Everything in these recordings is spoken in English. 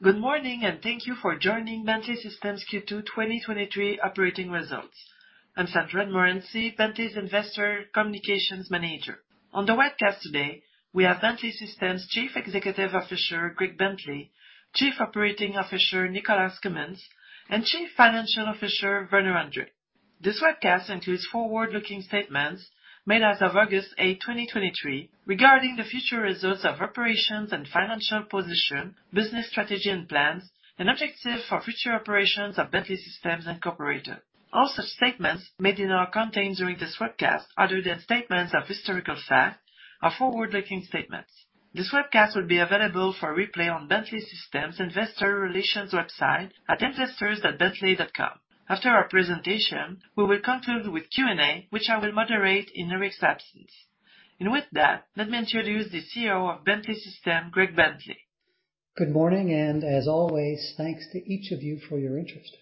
Good morning, and thank you for joining Bentley Systems Q2 2023 operating results. I'm Sandra-Ann Morency, Bentley's Investor Communications Manager. On the webcast today, we have Bentley Systems' Chief Executive Officer, Greg Bentley, Chief Operating Officer, Nicholas Cumins, and Chief Financial Officer, Werner Andre. This webcast includes forward-looking statements made as of August 8, 2023, regarding the future results of operations and financial position, business strategy and plans, and objectives for future operations of Bentley Systems Incorporated. All such statements made in or contained during this webcast, other than statements of historical fact, are forward-looking statements. This webcast will be available for replay on Bentley Systems Investor Relations website at investors.bentley.com. After our presentation, we will conclude with Q&A, which I will moderate in Eric's absence. With that, let me introduce the CEO of Bentley Systems, Greg Bentley. Good morning. As always, thanks to each of you for your interest.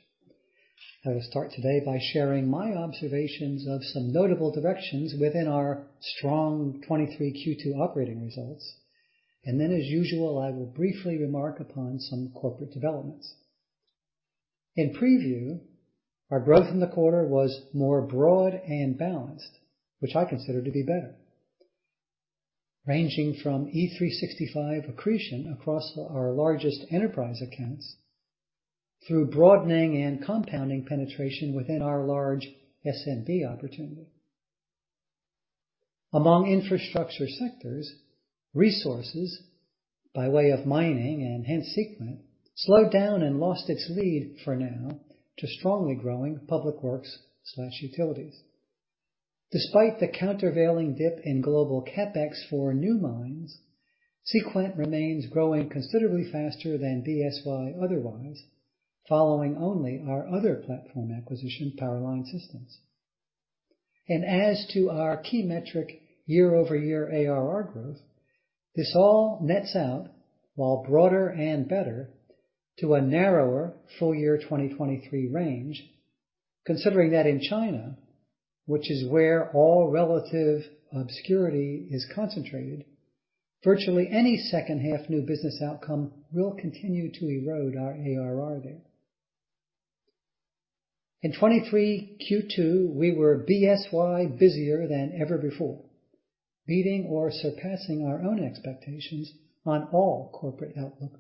I will start today by sharing my observations of some notable directions within our strong 2023 Q2 operating results. Then, as usual, I will briefly remark upon some corporate developments. In preview, our growth in the quarter was more broad and balanced, which I consider to be better, ranging from E365 accretion across our largest enterprise accounts through broadening and compounding penetration within our large SMB opportunity. Among infrastructure sectors, resources, by way of mining and hence Seequent, slowed down and lost its lead for now to strongly growing public works/utilities. Despite the countervailing dip in global CapEx for new mines, Seequent remains growing considerably faster than BSY otherwise, following only our other platform acquisition, Power Line Systems. As to our key metric, year-over-year ARR growth, this all nets out, while broader and better, to a narrower full year 2023 range, considering that in China, which is where all relative obscurity is concentrated, virtually any second half new business outcome will continue to erode our ARR there. In 2023 Q2, we were BSY busier than ever before, beating or surpassing our own expectations on all corporate outlook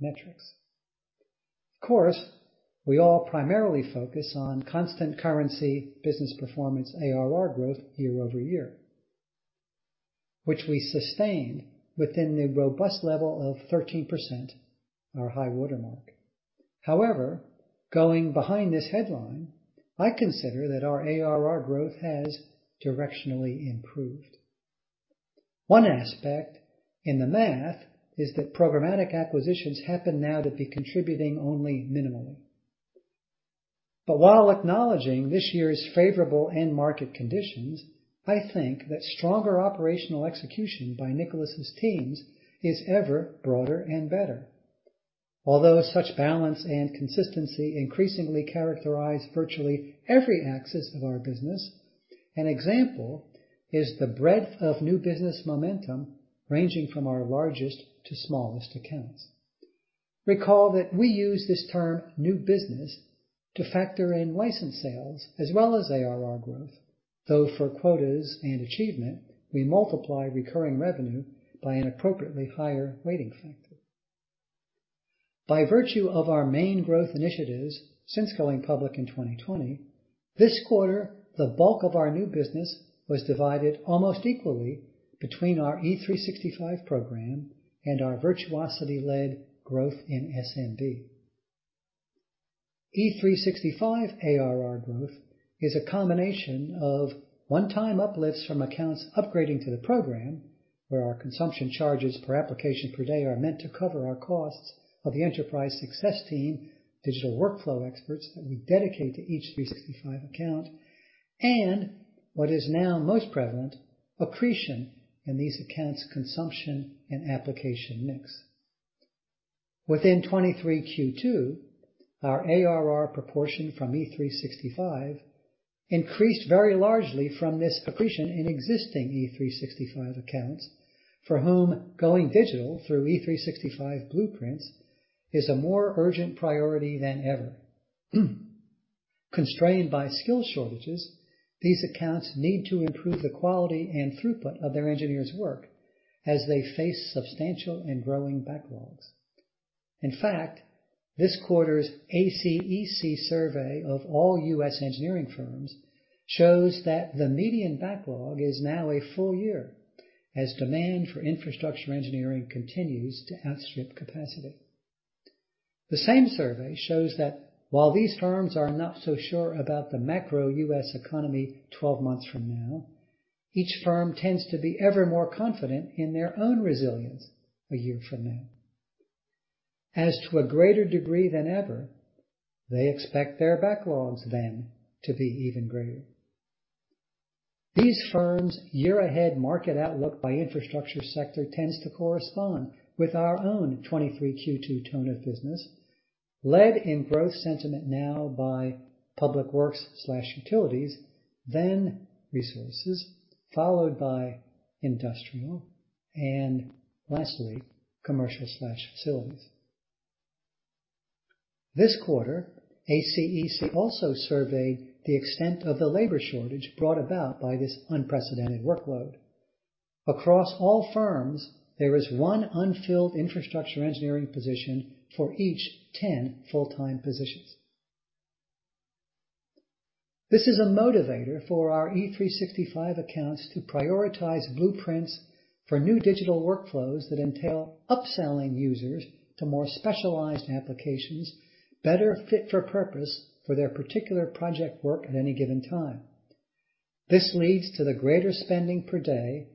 metrics. Of course, we all primarily focus on constant currency, business performance, ARR growth year-over-year, which we sustained within the robust level of 13%, our high watermark. However, going behind this headline, I consider that our ARR growth has directionally improved. One aspect in the math is that programmatic acquisitions happen now to be contributing only minimally. While acknowledging this year's favorable end market conditions, I think that stronger operational execution by Nicholas's teams is ever broader and better. Although such balance and consistency increasingly characterize virtually every axis of our business, an example is the breadth of new business momentum, ranging from our largest to smallest accounts. Recall that we use this term, new business, to factor in license sales as well as ARR growth, though for quotas and achievement, we multiply recurring revenue by an appropriately higher weighting factor. By virtue of our main growth initiatives since going public in 2020, this quarter, the bulk of our new business was divided almost equally between our E365 program and our Virtuosity-led growth in SMB. E365 ARR growth is a combination of one-time uplifts from accounts upgrading to the program, where our consumption charges per application per day are meant to cover our costs of the enterprise success team, digital workflow experts that we dedicate to each E365 account, and what is now most prevalent, accretion in these accounts' consumption and application mix. Within 2023 Q2, our ARR proportion from E365 increased very largely from this accretion in existing E365 accounts, for whom going digital through E365 blueprints is a more urgent priority than ever. Constrained by skill shortages, these accounts need to improve the quality and throughput of their engineers' work as they face substantial and growing backlogs. In fact, this quarter's ACEC survey of all U.S. engineering firms shows that the median backlog is now a full year, as demand for infrastructure engineering continues to outstrip capacity. The same survey shows that while these firms are not so sure about the macro U.S. economy 12 months from now, each firm tends to be ever more confident in their own resilience a year from now. As to a greater degree than ever, they expect their backlogs then to be even greater. These firms' year-ahead market outlook by infrastructure sector tends to correspond with our own 2023 Q2 tone of business. Led in growth sentiment now by public works/utilities, then resources, followed by industrial, and lastly, commercial/facilities. This quarter, ACEC also surveyed the extent of the labor shortage brought about by this unprecedented workload. Across all firms, there is one unfilled infrastructure engineering position for each 10 full-time positions. This is a motivator for our E365 accounts to prioritize blueprints for new digital workflows that entail upselling users to more specialized applications, better fit for purpose for their particular project work at any given time. This leads to the greater spending per day,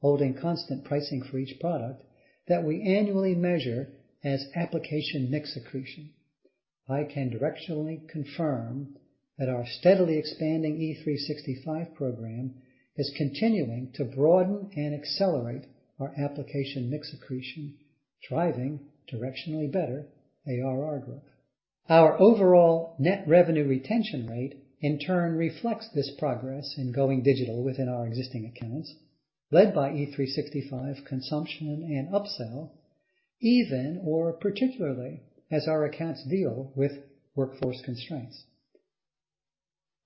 holding constant pricing for each product, that we annually measure as application mix accretion. I can directionally confirm that our steadily expanding E365 program is continuing to broaden and accelerate our application mix accretion, driving directionally better ARR growth. Our overall net revenue retention rate, in turn, reflects this progress in going digital within our existing accounts, led by E365 consumption and upsell, even or particularly as our accounts deal with workforce constraints.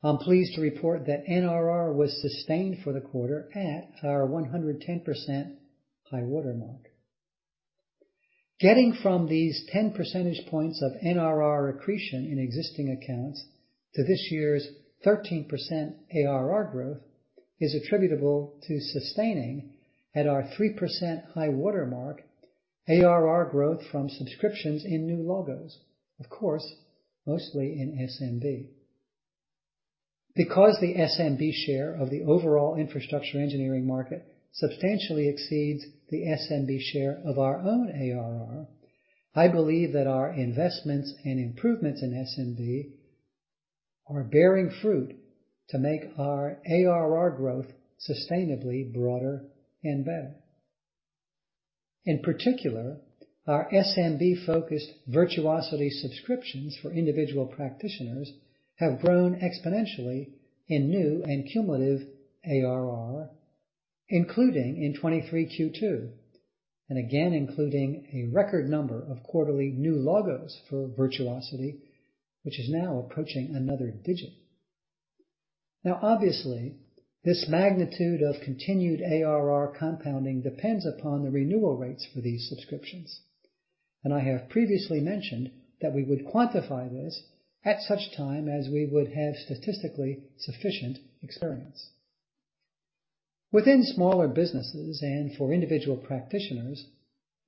I'm pleased to report that NRR was sustained for the quarter at our 110% high-water mark. Getting from these 10 percentage points of NRR accretion in existing accounts to this year's 13% ARR growth is attributable to sustaining at our 3% high-water mark, ARR growth from subscriptions in new logos, of course, mostly in SMB. Because the SMB share of the overall infrastructure engineering market substantially exceeds the SMB share of our own ARR, I believe that our investments and improvements in SMB are bearing fruit to make our ARR growth sustainably broader and better. In particular, our SMB-focused Virtuosity subscriptions for individual practitioners have grown exponentially in new and cumulative ARR, including in 2023 Q2, and again, including a record number of quarterly new logos for Virtuosity, which is now approaching another digit. Obviously, this magnitude of continued ARR compounding depends upon the renewal rates for these subscriptions, and I have previously mentioned that we would quantify this at such time as we would have statistically sufficient experience. Within smaller businesses and for individual practitioners,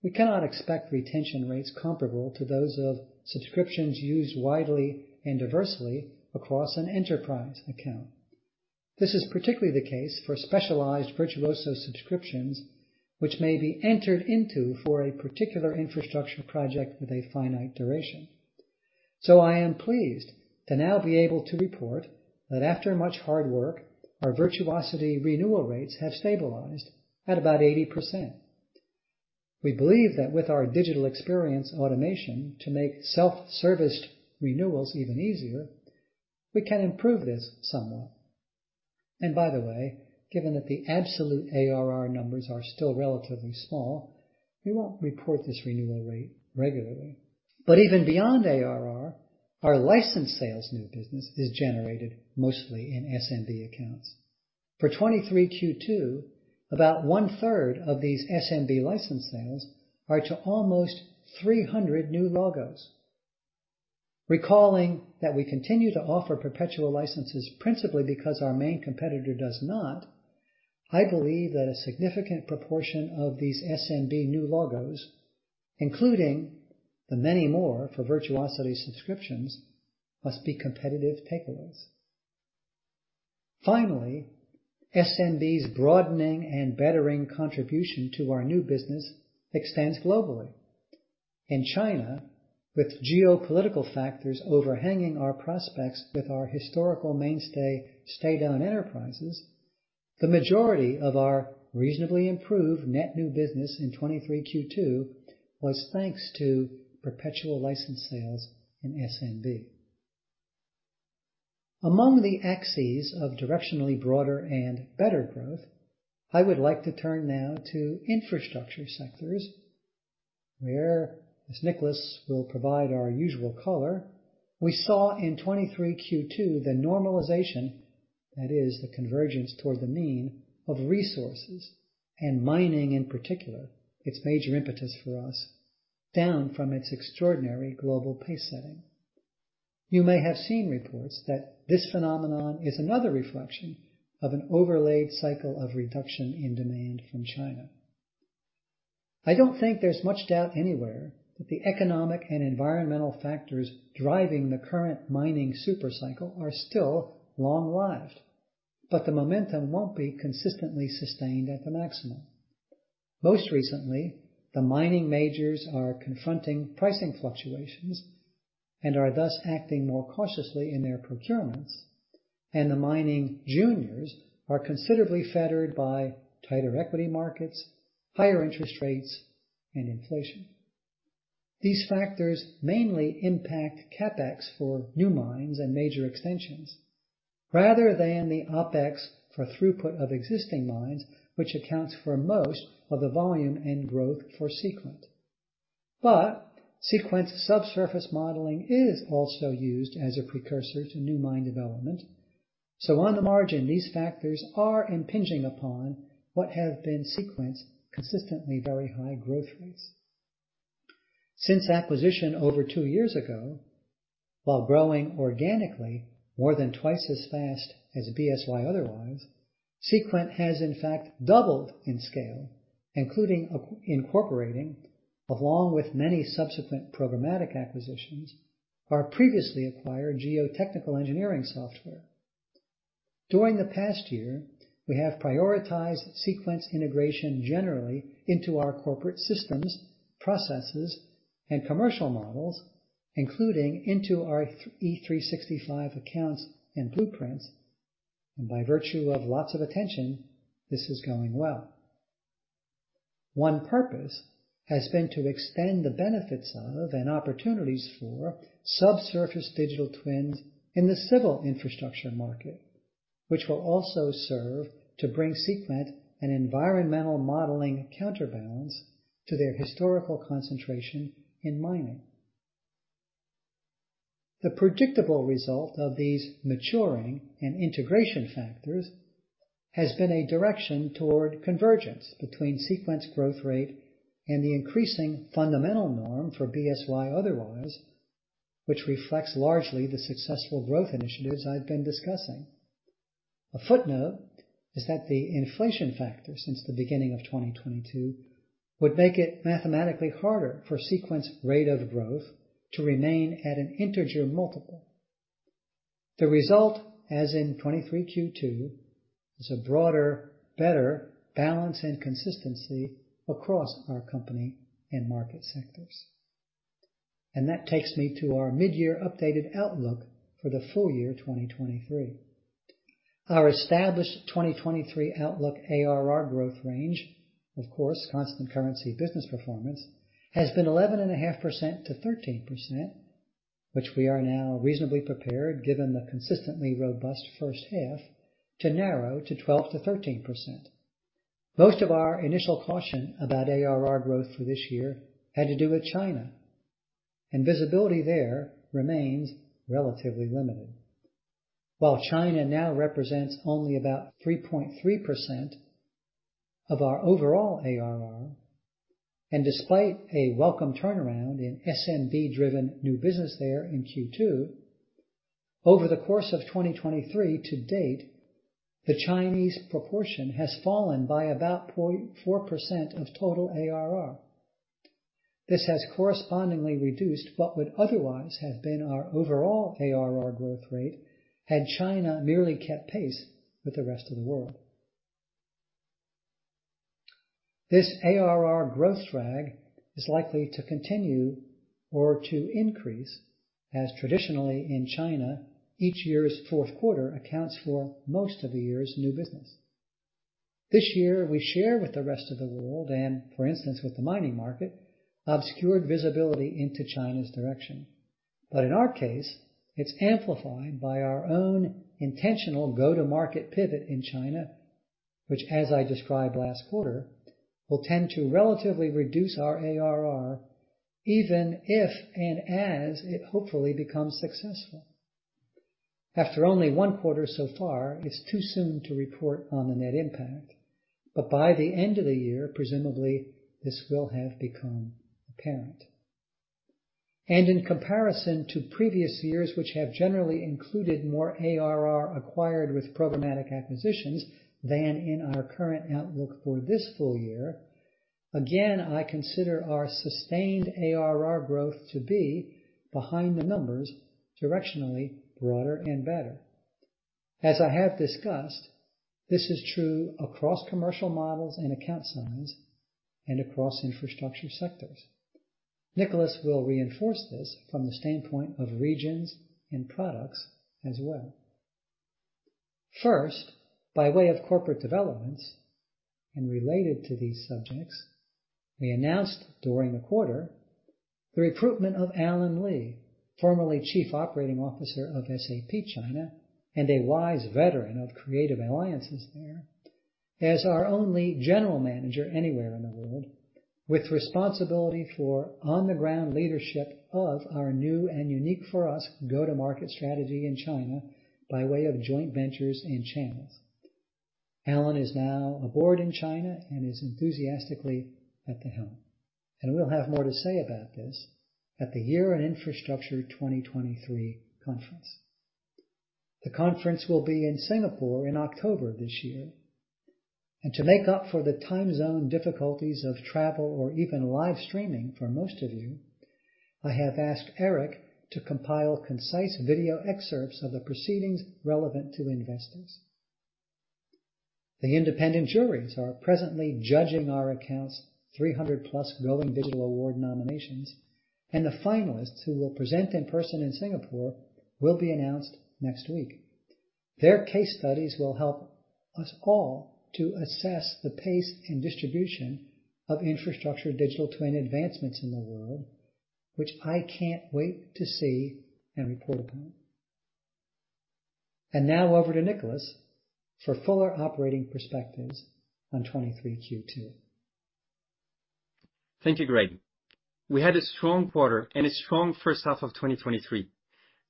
we cannot expect retention rates comparable to those of subscriptions used widely and diversely across an enterprise account. This is particularly the case for specialized Virtuoso subscriptions, which may be entered into for a particular infrastructure project with a finite duration. I am pleased to now be able to report that after much hard work, our Virtuosity renewal rates have stabilized at about 80%. We believe that with our digital experience automation to make self-service renewals even easier, we can improve this somewhat. By the way, given that the absolute ARR numbers are still relatively small, we won't report this renewal rate regularly. Even beyond ARR, our licensed sales new business is generated mostly in SMB accounts. For 2023 Q2, about one-third of these SMB license sales are to almost 300 new logos. Recalling that we continue to offer perpetual licenses, principally because our main competitor does not, I believe that a significant proportion of these SMB new logos, including the many more for Virtuosity subscriptions, must be competitive takeaways. Finally, SMB's broadening and bettering contribution to our new business expands globally. In China, with geopolitical factors overhanging our prospects with our historical mainstay, state-owned enterprises, the majority of our reasonably improved net new business in 2023 Q2 was thanks to perpetual license sales in SMB. Among the axes of directionally broader and better growth, I would like to turn now to infrastructure sectors, where as Nicholas will provide our usual color. We saw in 23 Q2 the normalization, that is, the convergence toward the mean of resources and mining, in particular, its major impetus for us, down from its extraordinary global pace setting. You may have seen reports that this phenomenon is another reflection of an overlaid cycle of reduction in demand from China. I don't think there's much doubt anywhere that the economic and environmental factors driving the current mining super cycle are still long-lived, but the momentum won't be consistently sustained at the maximum. Most recently, the mining majors are confronting pricing fluctuations and are thus acting more cautiously in their procurements. The mining juniors are considerably fettered by tighter equity markets, higher interest rates, and inflation. These factors mainly impact CapEx for new mines and major extensions, rather than the OpEx for throughput of existing mines, which accounts for most of the volume and growth for Seequent. Seequent subsurface modeling is also used as a precursor to new mine development. On the margin, these factors are impinging upon what have been Seequent's consistently very high growth rates. Since acquisition over two years ago, while growing organically more than twice as fast as BSY otherwise, Seequent has in fact doubled in scale, including incorporating, along with many subsequent programmatic acquisitions, our previously acquired geotechnical engineering software. During the past year, we have prioritized Seequent's integration generally into our corporate systems, processes, and commercial models, including into our E365 accounts and blueprints, and by virtue of lots of attention, this is going well. One purpose has been to extend the benefits of and opportunities for subsurface digital twins in the civil infrastructure market, which will also serve to bring Seequent an environmental modeling counterbalance to their historical concentration in mining. The predictable result of these maturing and integration factors has been a direction toward convergence between Seequent's growth rate and the increasing fundamental norm for BSY otherwise, which reflects largely the successful growth initiatives I've been discussing. A footnote is that the inflation factor since the beginning of 2022 would make it mathematically harder for Seequent's rate of growth to remain at an integer multiple. The result, as in 2023 Q2, is a broader, better balance and consistency across our company and market sectors. That takes me to our mid-year updated outlook for the full year 2023. Our established 2023 outlook ARR growth range, of course, constant currency business performance, has been 11.5%-13%, which we are now reasonably prepared, given the consistently robust first half, to narrow to 12%-13%. Most of our initial caution about ARR growth for this year had to do with China, and visibility there remains relatively limited. While China now represents only about 3.3% of our overall ARR, and despite a welcome turnaround in SMB-driven new business there in Q2, over the course of 2023 to date, the Chinese proportion has fallen by about 0.4% of total ARR. This has correspondingly reduced what would otherwise have been our overall ARR growth rate, had China merely kept pace with the rest of the world. This ARR growth drag is likely to continue or to increase, as traditionally in China, each year's Q4 accounts for most of the year's new business. This year, we share with the rest of the world and, for instance, with the mining market, obscured visibility into China's direction. In our case, it's amplified by our own intentional go-to-market pivot in China, which, as I described last quarter, will tend to relatively reduce our ARR, even if and as it hopefully becomes successful. After only one quarter so far, it's too soon to report on the net impact, but by the end of the year, presumably, this will have become apparent. In comparison to previous years, which have generally included more ARR acquired with programmatic acquisitions than in our current outlook for this full year, again, I consider our sustained ARR growth to be behind the numbers directionally broader and better. As I have discussed, this is true across commercial models and account sizes and across infrastructure sectors. Nicholas will reinforce this from the standpoint of regions and products as well. First, by way of corporate developments and related to these subjects, we announced during the quarter the recruitment of Allen Li, formerly Chief Operating Officer of SAP China, and a wise veteran of creative alliances there, as our only general manager anywhere in the world, with responsibility for on-the-ground leadership of our new and unique for us, go-to-market strategy in China by way of joint ventures and channels. Allen Li is now aboard in China and is enthusiastically at the helm. We'll have more to say about this at the Year in Infrastructure 2023 conference. The conference will be in Singapore in October this year. To make up for the time zone difficulties of travel or even live streaming for most of you, I have asked Eric to compile concise video excerpts of the proceedings relevant to investors. The independent juries are presently judging our accounts, 300+ growing digital award nominations, and the finalists, who will present in person in Singapore, will be announced next week. Their case studies will help us all to assess the pace and distribution of infrastructure digital twin advancements in the world, which I can't wait to see and report upon. Now over to Nicholas Cumins for fuller operating perspectives on 2023 Q2. Thank you, Greg. We had a strong quarter and a strong first half of 2023.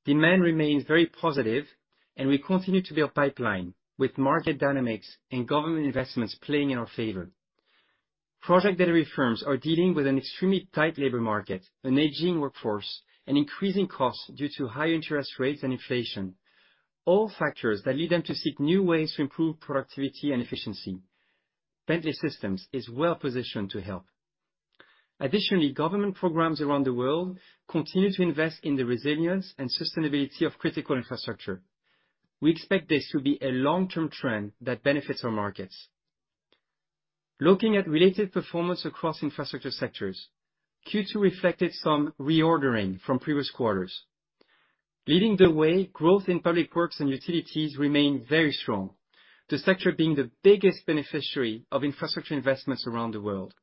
Demand remains very positive, and we continue to build pipeline, with market dynamics and government investments playing in our favor. Project delivery firms are dealing with an extremely tight labor market, an aging workforce, and increasing costs due to high interest rates and inflation. All factors that lead them to seek new ways to improve productivity and efficiency. Bentley Systems is well-positioned to help. Additionally, government programs around the world continue to invest in the resilience and sustainability of critical infrastructure. We expect this to be a long-term trend that benefits our markets. Looking at related performance across infrastructure sectors, Q2 reflected some reordering from previous quarters. Leading the way, growth in public works and utilities remained very strong, the sector being the biggest beneficiary of infrastructure investments around the world.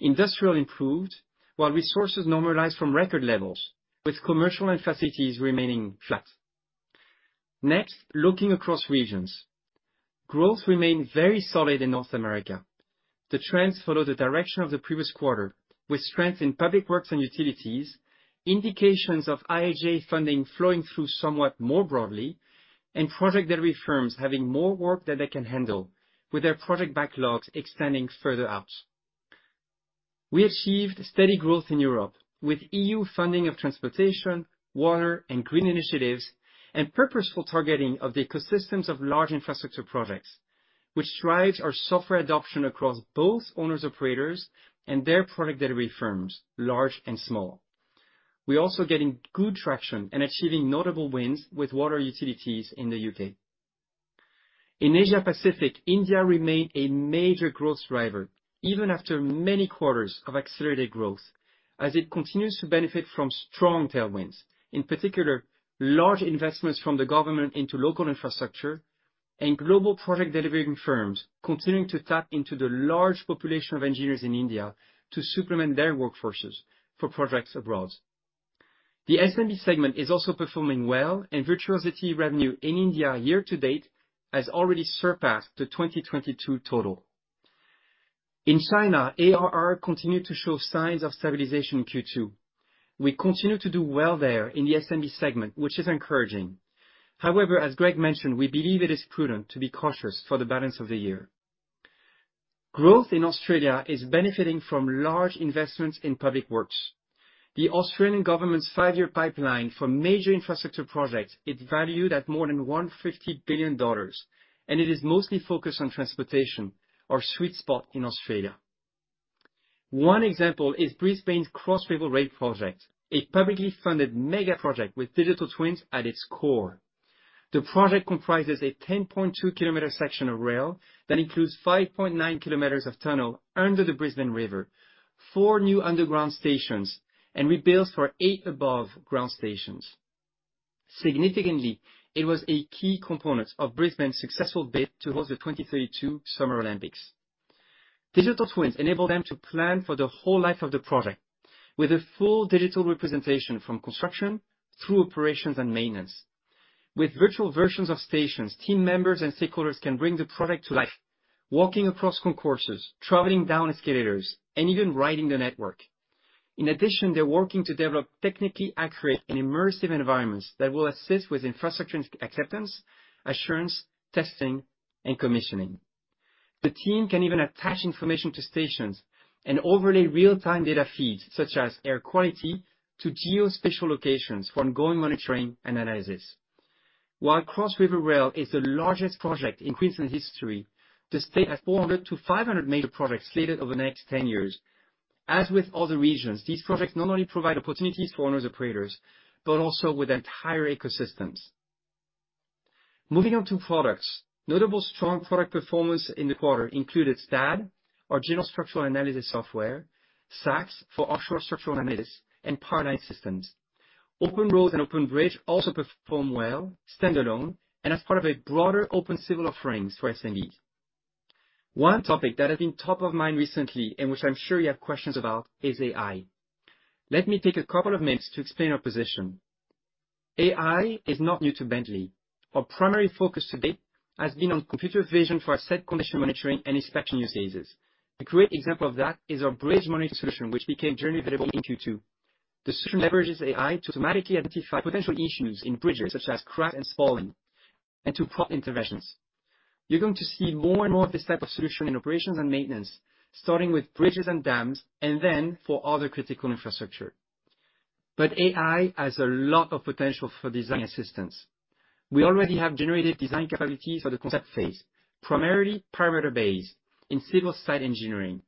Industrial improved, while resources normalized from record levels, with commercial and facilities remaining flat. Next, looking across regions. Growth remained very solid in North America. The trends follow the direction of the previous quarter, with strength in public works and utilities, indications of IIJA funding flowing through somewhat more broadly, and project delivery firms having more work than they can handle, with their project backlogs extending further out. We achieved steady growth in Europe, with EU funding of transportation, water, and green initiatives, and purposeful targeting of the ecosystems of large infrastructure projects, which drives our software adoption across both owners, operators, and their project delivery firms, large and small. We're also getting good traction and achieving notable wins with water utilities in the U.K. In Asia Pacific, India remained a major growth driver, even after many quarters of accelerated growth, as it continues to benefit from strong tailwinds. In particular, large investments from the government into local infrastructure and global project delivery firms continuing to tap into the large population of engineers in India to supplement their workforces for projects abroad. The SMB segment is also performing well, and Virtuosity revenue in India year to date has already surpassed the 2022 total. In China, ARR continued to show signs of stabilization in Q2. We continue to do well there in the SMB segment, which is encouraging. However, as Greg mentioned, we believe it is prudent to be cautious for the balance of the year. Growth in Australia is benefiting from large investments in public works. The Australian government's five-year pipeline for major infrastructure projects is valued at more than $150 billion, and it is mostly focused on transportation, our sweet spot in Australia. One example is Brisbane's Cross-River Rail project, a publicly funded mega project with digital twins at its core. The project comprises a 10.2 km section of rail that includes 5.9 km of tunnel under the Brisbane River, four new underground stations, and rebuilds for eight above-ground stations. Significantly, it was a key component of Brisbane's successful bid to host the 2032 Summer Olympics. Digital twins enable them to plan for the whole life of the project, with a full digital representation from construction through operations and maintenance. With virtual versions of stations, team members and stakeholders can bring the project to life, walking across concourses, traveling down escalators, and even riding the network. In addition, they're working to develop technically accurate and immersive environments that will assist with infrastructure acceptance, assurance, testing, and commissioning. The team can even attach information to stations and overlay real-time data feeds, such as air quality, to geospatial locations for ongoing monitoring and analysis. While Cross River Rail is the largest project in Queensland's history, the state has 400 to 500 major projects slated over the next 10 years. As with other regions, these projects not only provide opportunities for owners and operators, but also with entire ecosystems. Moving on to products. Notable strong product performance in the quarter included STAAD, our general structural analysis software, SACS for offshore structural analysis, and Power Line Systems. OpenRoads and OpenBridge also perform well, standalone and as part of a broader open civil offerings for SMB. One topic that has been top of mind recently, and which I'm sure you have questions about, is AI. Let me take a couple of minutes to explain our position. AI is not new to Bentley. Our primary focus to date has been on computer vision for asset condition monitoring and inspection use cases. A great example of that is our bridge monitoring solution, which became generally available in Q2. The solution leverages AI to automatically identify potential issues in bridges, such as cracks and spalling, and to plot interventions. You're going to see more and more of this type of solution in operations and maintenance, starting with bridges and dams, and then for other critical infrastructure. AI has a lot of potential for design assistance. We already have generated design capabilities for the concept phase, primarily parameter-based in civil site engineering.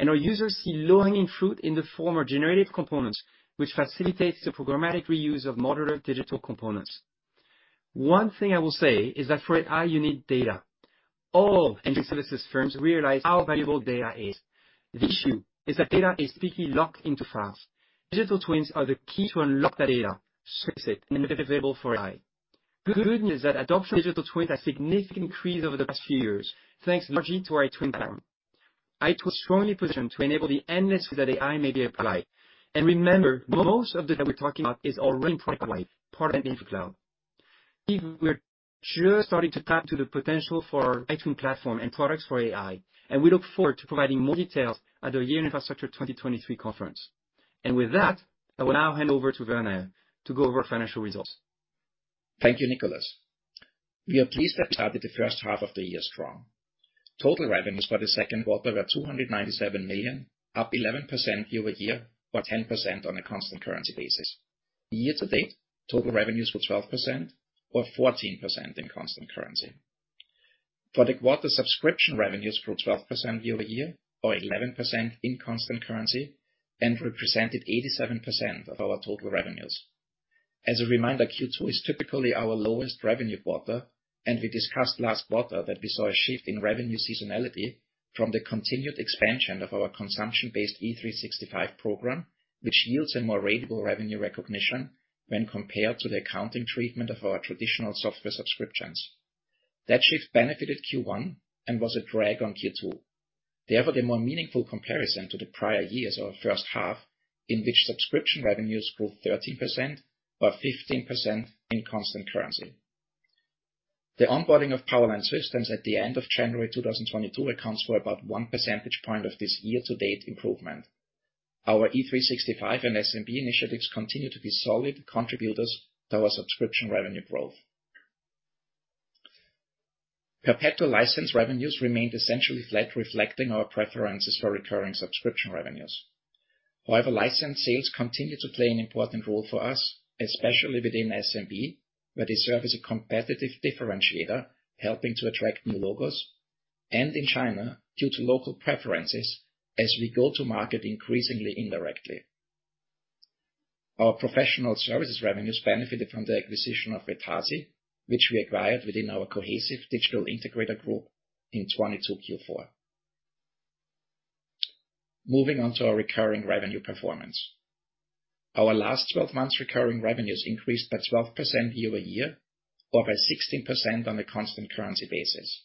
Our users see low-hanging fruit in the form of generated components, which facilitates the programmatic reuse of modular digital components. One thing I will say is that for AI, you need data. All engineering services firms realize how valuable data is. The issue is that data is typically locked into files. Digital twins are the key to unlock that data, source it, and make it available for AI. Good news is that adoption of digital twins has significantly increased over the past few years, thanks largely to our iTwin platform. IT was strongly positioned to enable the endless that AI may be applied. Remember, most of the data we're talking about is already part of life, part of cloud. We're just starting to tap into the potential for iTwin platform and products for AI, and we look forward to providing more details at our Year in Infrastructure 2023 conference. With that, I will now hand over to Werner to go over financial results. Thank you, Nicholas. We are pleased that we started the first half of the year strong. Total revenues for the Q2 were $297 million, up 11% year-over-year, or 10% on a constant currency basis. Year to date, total revenues were 12% or 14% in constant currency. For the quarter, subscription revenues grew 12% year-over-year, or 11% in constant currency, and represented 87% of our total revenues. As a reminder, Q2 is typically our lowest revenue quarter, and we discussed last quarter that we saw a shift in revenue seasonality from the continued expansion of our consumption-based E365 program, which yields a more ratable revenue recognition when compared to the accounting treatment of our traditional software subscriptions. That shift benefited Q1 and was a drag on Q2. The more meaningful comparison to the prior years of our first half, in which subscription revenues grew 13% or 15% in constant currency. The onboarding of Power Line Systems at the end of January 2022 accounts for about 1 percentage point of this year-to-date improvement. Our E365 and SMB initiatives continue to be solid contributors to our subscription revenue growth. Perpetual license revenues remained essentially flat, reflecting our preferences for recurring subscription revenues. License sales continue to play an important role for us, especially within SMB, where they serve as a competitive differentiator, helping to attract new logos, and in China, due to local preferences as we go to market increasingly indirectly. Our professional services revenues benefited from the acquisition of Vetasi, which we acquired within our Cohesive digital integrator group in 2022 Q4. Moving on to our recurring revenue performance. Our last 12 months, recurring revenues increased by 12% year-over-year or by 16% on a constant currency basis.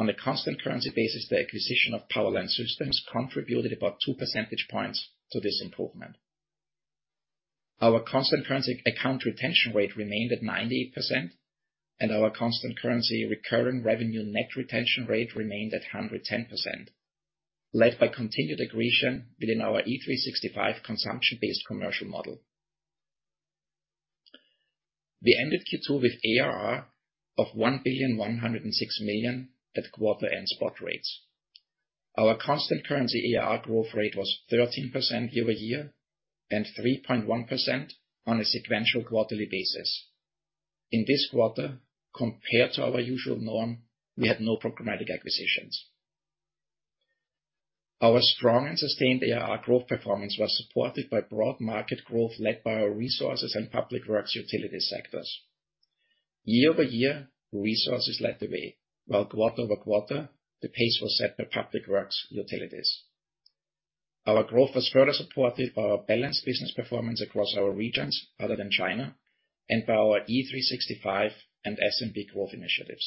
On a constant currency basis, the acquisition of Power Line Systems contributed about 2 percentage points to this improvement. Our constant currency account retention rate remained at 98%, and our constant currency recurring revenue net retention rate remained at 110%, led by continued accretion within our E365 consumption-based commercial model. We ended Q2 with ARR of $1 billion and 106 million at quarter end spot rates. Our constant currency ARR growth rate was 13% year-over-year, and 3.1% on a sequential quarterly basis. In this quarter, compared to our usual norm, we had no programmatic acquisitions. Our strong and sustained ARR growth performance was supported by broad market growth, led by our resources and public works utility sectors. Year-over-year, resources led the way, while quarter-over-quarter, the pace was set by public works utilities. Our growth was further supported by our balanced business performance across our regions, other than China, and by our E365 and SMB growth initiatives.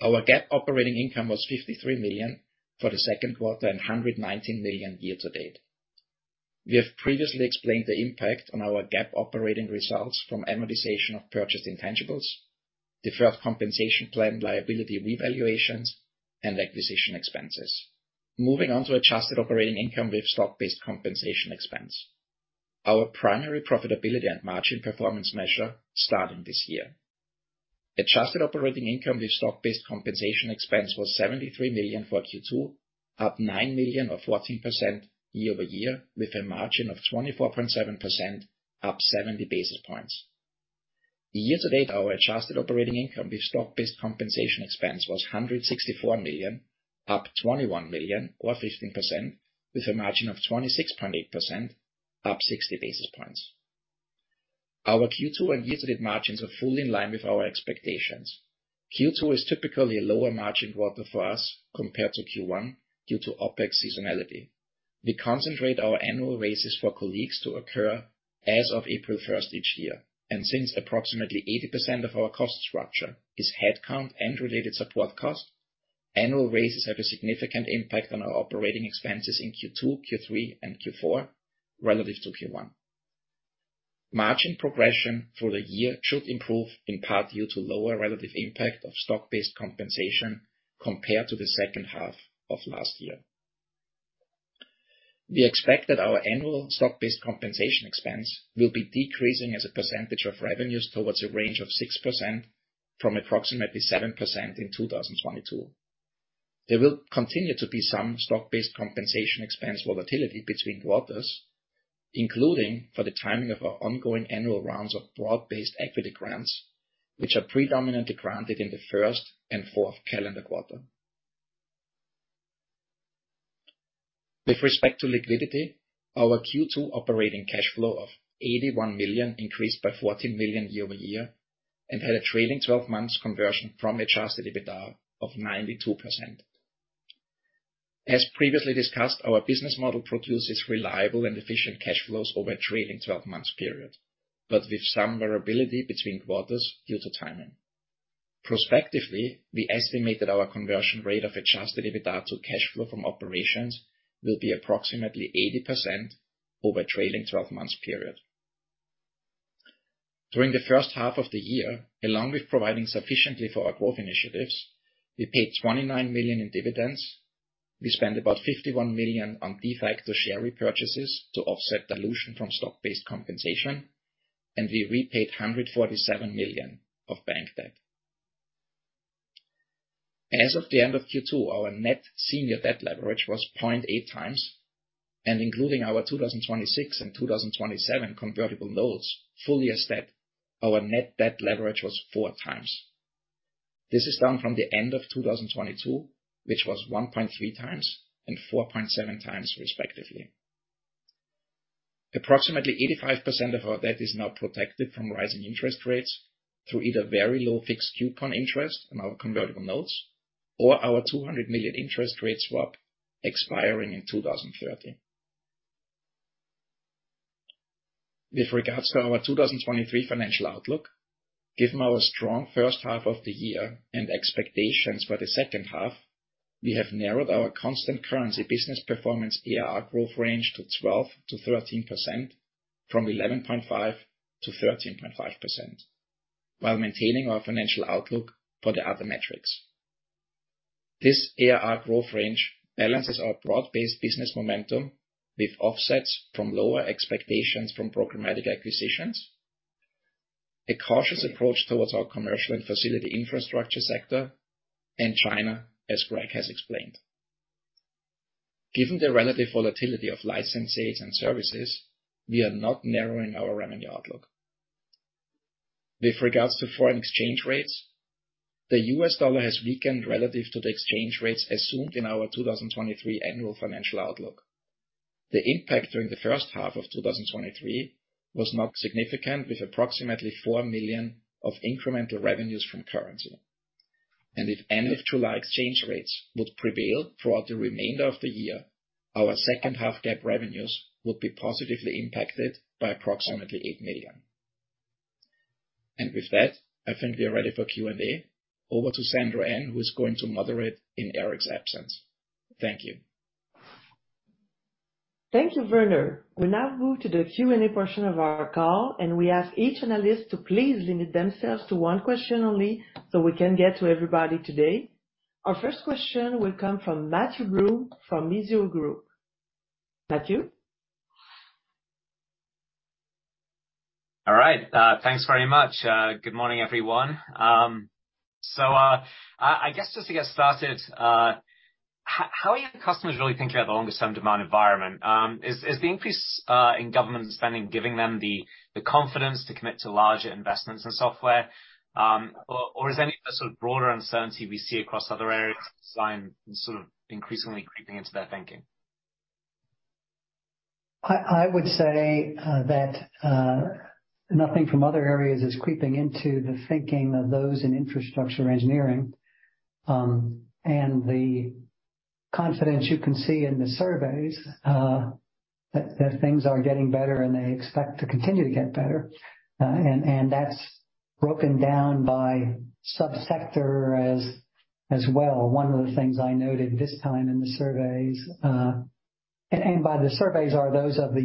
Our GAAP operating income was $53 million for the Q2 and $119 million year to date. We have previously explained the impact on our GAAP operating results from amortization of purchased intangibles, deferred compensation plan, liability revaluations, and acquisition expenses. Moving on to adjusted operating income with stock-based compensation expense. Our primary profitability and margin performance measure starting this year. Adjusted operating income with stock-based compensation expense was $73 million for Q2, up $9 million or 14% year-over-year, with a margin of 24.7%, up 70 basis points. Year-to-date, our adjusted operating income with stock-based compensation expense was $164 million, up $21 million or 15%, with a margin of 26.8%, up 60 basis points. Our Q2 and year-to-date margins are fully in line with our expectations. Q2 is typically a lower margin quarter for us compared to Q1 due to OpEx seasonality. We concentrate our annual raises for colleagues to occur as of April first each year, and since approximately 80% of our cost structure is headcount and related support cost, annual raises have a significant impact on our operating expenses in Q2, Q3 and Q4 relative to Q1. Margin progression for the year should improve, in part due to lower relative impact of stock-based compensation compared to the second half of last year. We expect that our annual stock-based compensation expense will be decreasing as a percentage of revenues towards a range of 6% from approximately 7% in 2022. There will continue to be some stock-based compensation expense volatility between quarters, including for the timing of our ongoing annual rounds of broad-based equity grants, which are predominantly granted in the first and fourth calendar quarter. With respect to liquidity, our Q2 operating cash flow of $81 million increased by $14 million year-over-year, had a trailing 12 months conversion from adjusted EBITDA of 92%. As previously discussed, our business model produces reliable and efficient cash flows over a trailing 12 months period, but with some variability between quarters due to timing. Prospectively, we estimated our conversion rate of adjusted EBITDA to cash flow from operations will be approximately 80% over a trailing 12 months period. During the first half of the year, along with providing sufficiently for our growth initiatives, we paid $29 million in dividends. We spent about $51 million on defacto share repurchases to offset dilution from stock-based compensation, and we repaid $147 million of bank debt. As of the end of Q2, our net senior debt leverage was 0.8x, and including our 2026 and 2027 convertible notes, fully as debt, our net debt leverage was 4x. This is down from the end of 2022, which was 1.3x and 4.7x, respectively. Approximately 85% of our debt is now protected from rising interest rates through either very low fixed coupon interest in our convertible notes or our $200 million interest rate swap expiring in 2030. With regards to our 2023 financial outlook, given our strong first half of the year and expectations for the second half, we have narrowed our constant currency business performance ARR growth range to 12%-13%, from 11.5%-13.5%, while maintaining our financial outlook for the other metrics. This ARR growth range balances our broad-based business momentum with offsets from lower expectations from programmatic acquisitions, a cautious approach towards our commercial and facility infrastructure sector, and China, as Greg has explained. Given the relative volatility of licenses and services, we are not narrowing our revenue outlook. With regards to foreign exchange rates, the U.S. dollar has weakened relative to the exchange rates assumed in our 2023 annual financial outlook. The impact during the first half of 2023 was not significant, with approximately $4 million of incremental revenues from currency. If end of July exchange rates would prevail throughout the remainder of the year, our second half GAAP revenues will be positively impacted by approximately $8 million. With that, I think we are ready for Q&A. Over to Sandra Ann, who is going to moderate in Eric's absence. Thank you. Thank you, Werner. We now move to the Q&A portion of our call, and we ask each analyst to please limit themselves to one question only, so we can get to everybody today. Our first question will come from Matthew Broome from Mizuho Group. Matthew? All right, thanks very much. Good morning, everyone. I, I guess, just to get started, how are your customers really thinking about the longer-term demand environment? Is, is the increase in government spending, giving them the, the confidence to commit to larger investments in software? Is any of the sort of broader uncertainty we see across other areas design sort of increasingly creeping into their thinking? I, I would say that nothing from other areas is creeping into the thinking of those in infrastructure engineering. The confidence you can see in the surveys that things are getting better, and they expect to continue to get better, and that's broken down by subsector as, as well. One of the things I noted this time in the surveys, and by the surveys are those of the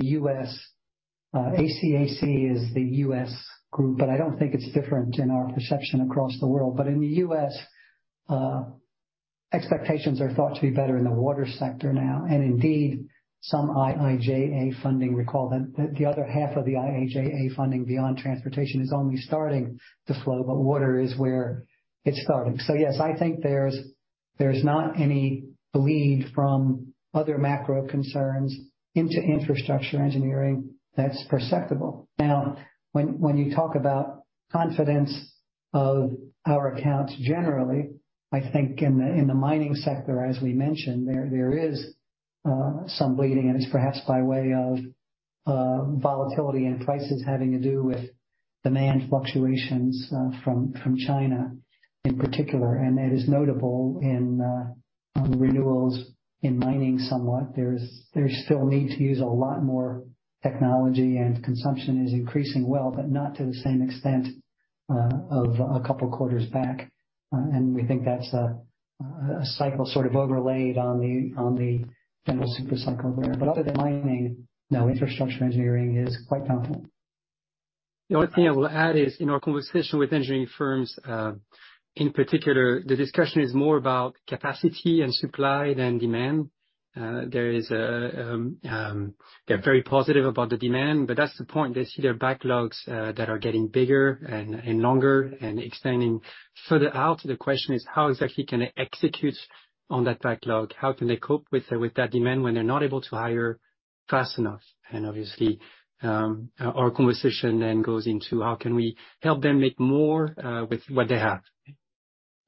U.S., ASCE is the U.S. group, but I don't think it's different in our perception across the world. In the U.S., expectations are thought to be better in the water sector now, and indeed, some IIJA funding. Recall that the other half of the IIJA funding beyond transportation is only starting to flow, but water is where it's starting. Yes, I think there's, there's not any bleed from other macro concerns into infrastructure engineering that's perceptible. Now, when, when you talk about confidence of our accounts, generally, I think in the, in the mining sector, as we mentioned, there, there is some bleeding, and it's perhaps by way of volatility and prices having to do with demand fluctuations from China in particular. And that is notable in renewals in mining somewhat. There's still need to use a lot more technology, and consumption is increasing well, but not to the same extent of a couple of quarters back. And we think that's a, a cycle sort of overlaid on the, on the general super cycle there. But other than mining, no infrastructure engineering is quite confident. The only thing I will add is, in our conversation with engineering firms, in particular, the discussion is more about capacity and supply than demand. There is a, they're very positive about the demand, but that's the point. They see their backlogs that are getting bigger and longer and extending further out. The question is: How exactly can they execute on that backlog? How can they cope with that demand when they're not able to hire fast enough? Obviously, our conversation then goes into how can we help them make more with what they have,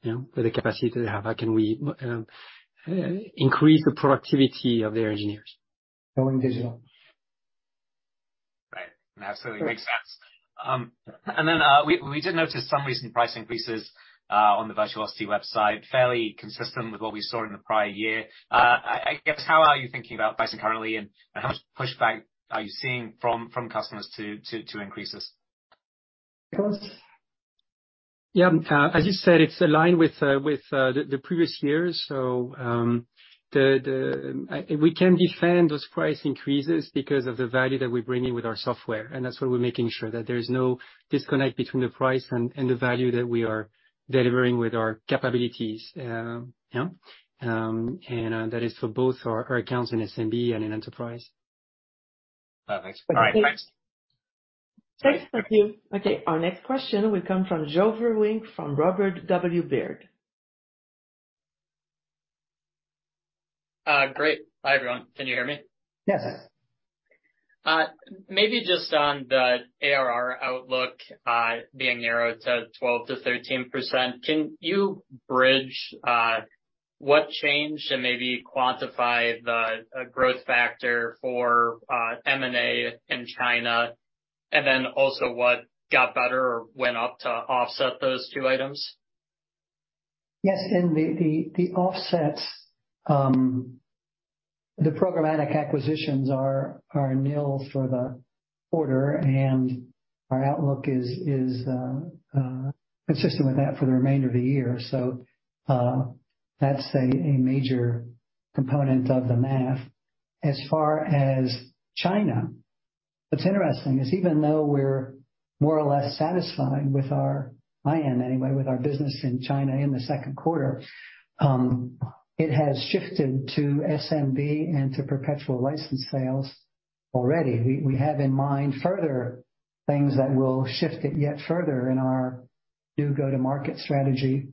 you know, with the capacity they have? How can we increase the productivity of their engineers? Going digital. Right. That absolutely makes sense. Then we did notice some recent price increases on the virtuosity website, fairly consistent with what we saw in the prior year. I guess, how are you thinking about pricing currently, and how much pushback are you seeing from customers to increases? Nicholas? Yeah, as you said, it's aligned with, with, the, the previous years. We can defend those price increases because of the value that we're bringing with our software, and that's why we're making sure that there is no disconnect between the price and, and the value that we are delivering with our capabilities, yeah. That is for both our accounts in SMB and in enterprise. Perfect. All right, thanks. Thanks, Nicholas. Okay, our next question will come from Joe Vruwink, from Robert W. Baird. Great. Hi, everyone. Can you hear me? Yes. Maybe just on the ARR outlook, being narrowed to 12%-13%, can you bridge, what changed, and maybe quantify the growth factor for M&A in China? Then also what got better or went up to offset those two items? Yes, the, the, the offsets, the programmatic acquisitions are, are nil for the quarter, and our outlook is, is consistent with that for the remainder of the year. That's a, a major component of the math. As far as China, what's interesting is, even though we're more or less satisfied with our... I am, anyway, with our business in China in the second quarter, it has shifted to SMB and to perpetual license sales already. We, we have in mind further things that will shift it yet further in our new go-to-market strategy.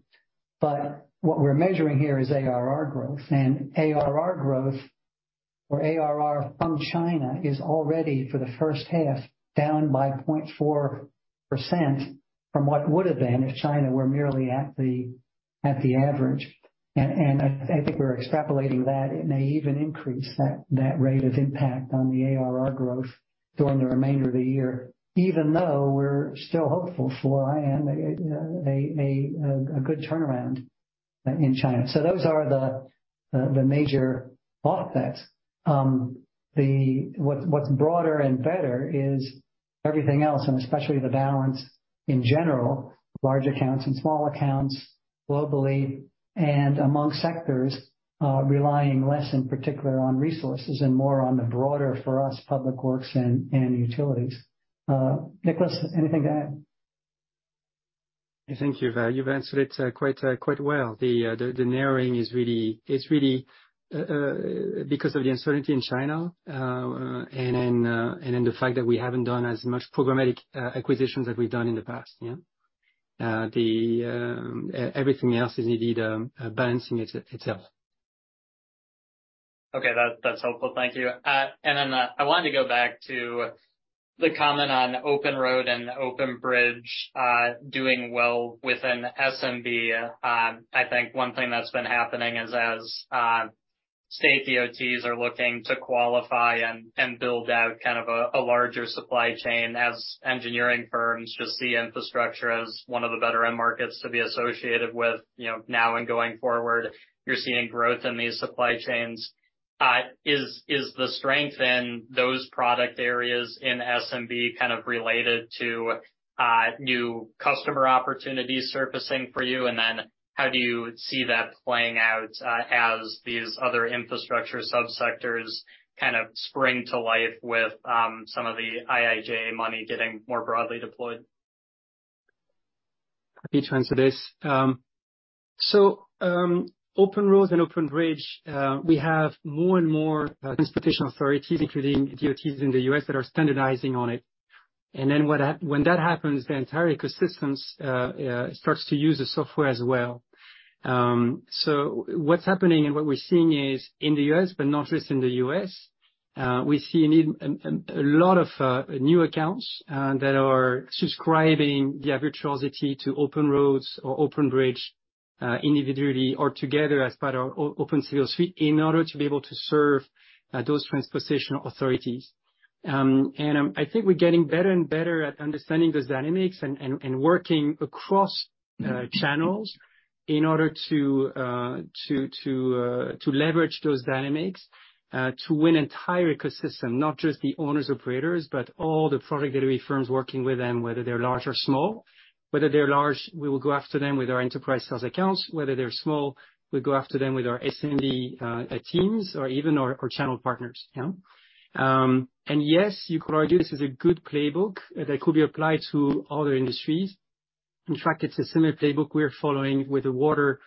What we're measuring here is ARR growth, and ARR growth, or ARR from China, is already, for the first half, down by 0.4% from what would have been if China were merely at the, at the average. I think we're extrapolating that it may even increase, that, that rate of impact on the ARR growth during the remainder of the year, even though we're still hopeful for, I am, a good turnaround in China. Those are the major offsets. What's broader and better is everything else, and especially the balance in general, large accounts and small accounts, globally and among sectors, relying less in particular on resources and more on the broader, for us, public works and, and utilities. Nicholas, anything to add? I think you've, you've answered it, quite, quite well. The, the narrowing is really- it's really, because of the uncertainty in China, and then, and then the fact that we haven't done as much programmatic, acquisitions as we've done in the past, yeah? The, everything else is indeed, bouncing its- itself. Okay, that, that's helpful. Thank you. I wanted to go back to the comment on OpenRoads and OpenBridge doing well within SMB. I think one thing that's been happening is, as state DOTs are looking to qualify and, and build out kind of a, a larger supply chain as engineering firms just see infrastructure as one of the better end markets to be associated with, you know, now and going forward, you're seeing growth in these supply chains. Is, is the strength in those product areas in SMB kind of related to new customer opportunities surfacing for you? How do you see that playing out as these other infrastructure sub-sectors kind of spring to life with some of the IIJA money getting more broadly deployed? Happy to answer this. OpenRoads and OpenBridge, we have more and more transportation authorities, including DOTs in the U.S., that are standardizing on it. Then what happens, the entire ecosystem starts to use the software as well. What's happening and what we're seeing is, in the U.S., but not just in the U.S., we see a need, a lot of new accounts that are subscribing, via Virtuosity, to OpenRoads or OpenBridge, individually or together as part of Open Civil Suite, in order to be able to serve those transportation authorities. I think we're getting better and better at understanding those dynamics and working across channels in order to to to leverage those dynamics to win entire ecosystem, not just the owners, operators, but all the regulatory firms working with them, whether they're large or small. Whether they're large, we will go after them with our enterprise sales accounts. Whether they're small, we'll go after them with our SMB teams or even our, our channel partners, yeah? Yes, you could argue this is a good playbook that could be applied to other industries. In fact, it's a similar playbook we're following with the water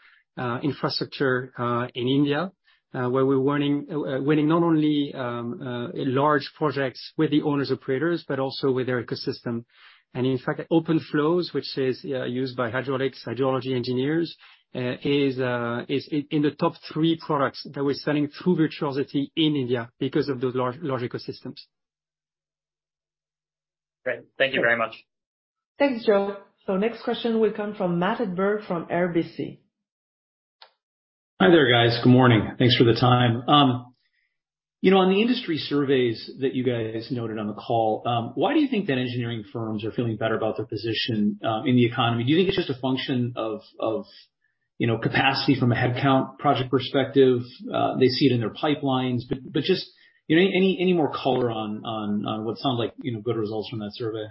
infrastructure in India, where we're winning winning not only large projects with the owners/operators, but also with their ecosystem. In fact, OpenFlows, which is, used by hydraulics, hydrology engineers, is, is in, in the top three products that we're selling through Virtuosity in India because of those large, large ecosystems. Great. Thank you very much. Thanks, Joe. Next question will come from Matt Hedberg from RBC. Hi there, guys. Good morning. Thanks for the time. You know, on the industry surveys that you guys noted on the call, why do you think that engineering firms are feeling better about their position in the economy? Do you think it's just a function of, of, you know, capacity from a headcount project perspective? They see it in their pipelines, but, but just, you know, any, any more color on, on, on what sounds like, you know, good results from that survey?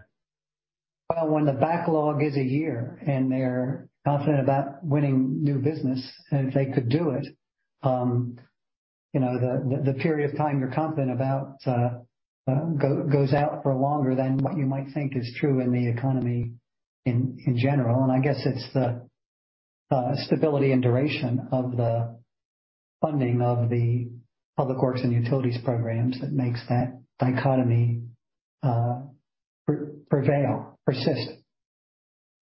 Well, when the backlog is a year and they're confident about winning new business, and if they could do it, you know, the, the period of time you're confident about goes out for longer than what you might think is true in the economy in general. I guess it's the stability and duration of the funding of the public works and utilities programs that makes that dichotomy, prevail, persist.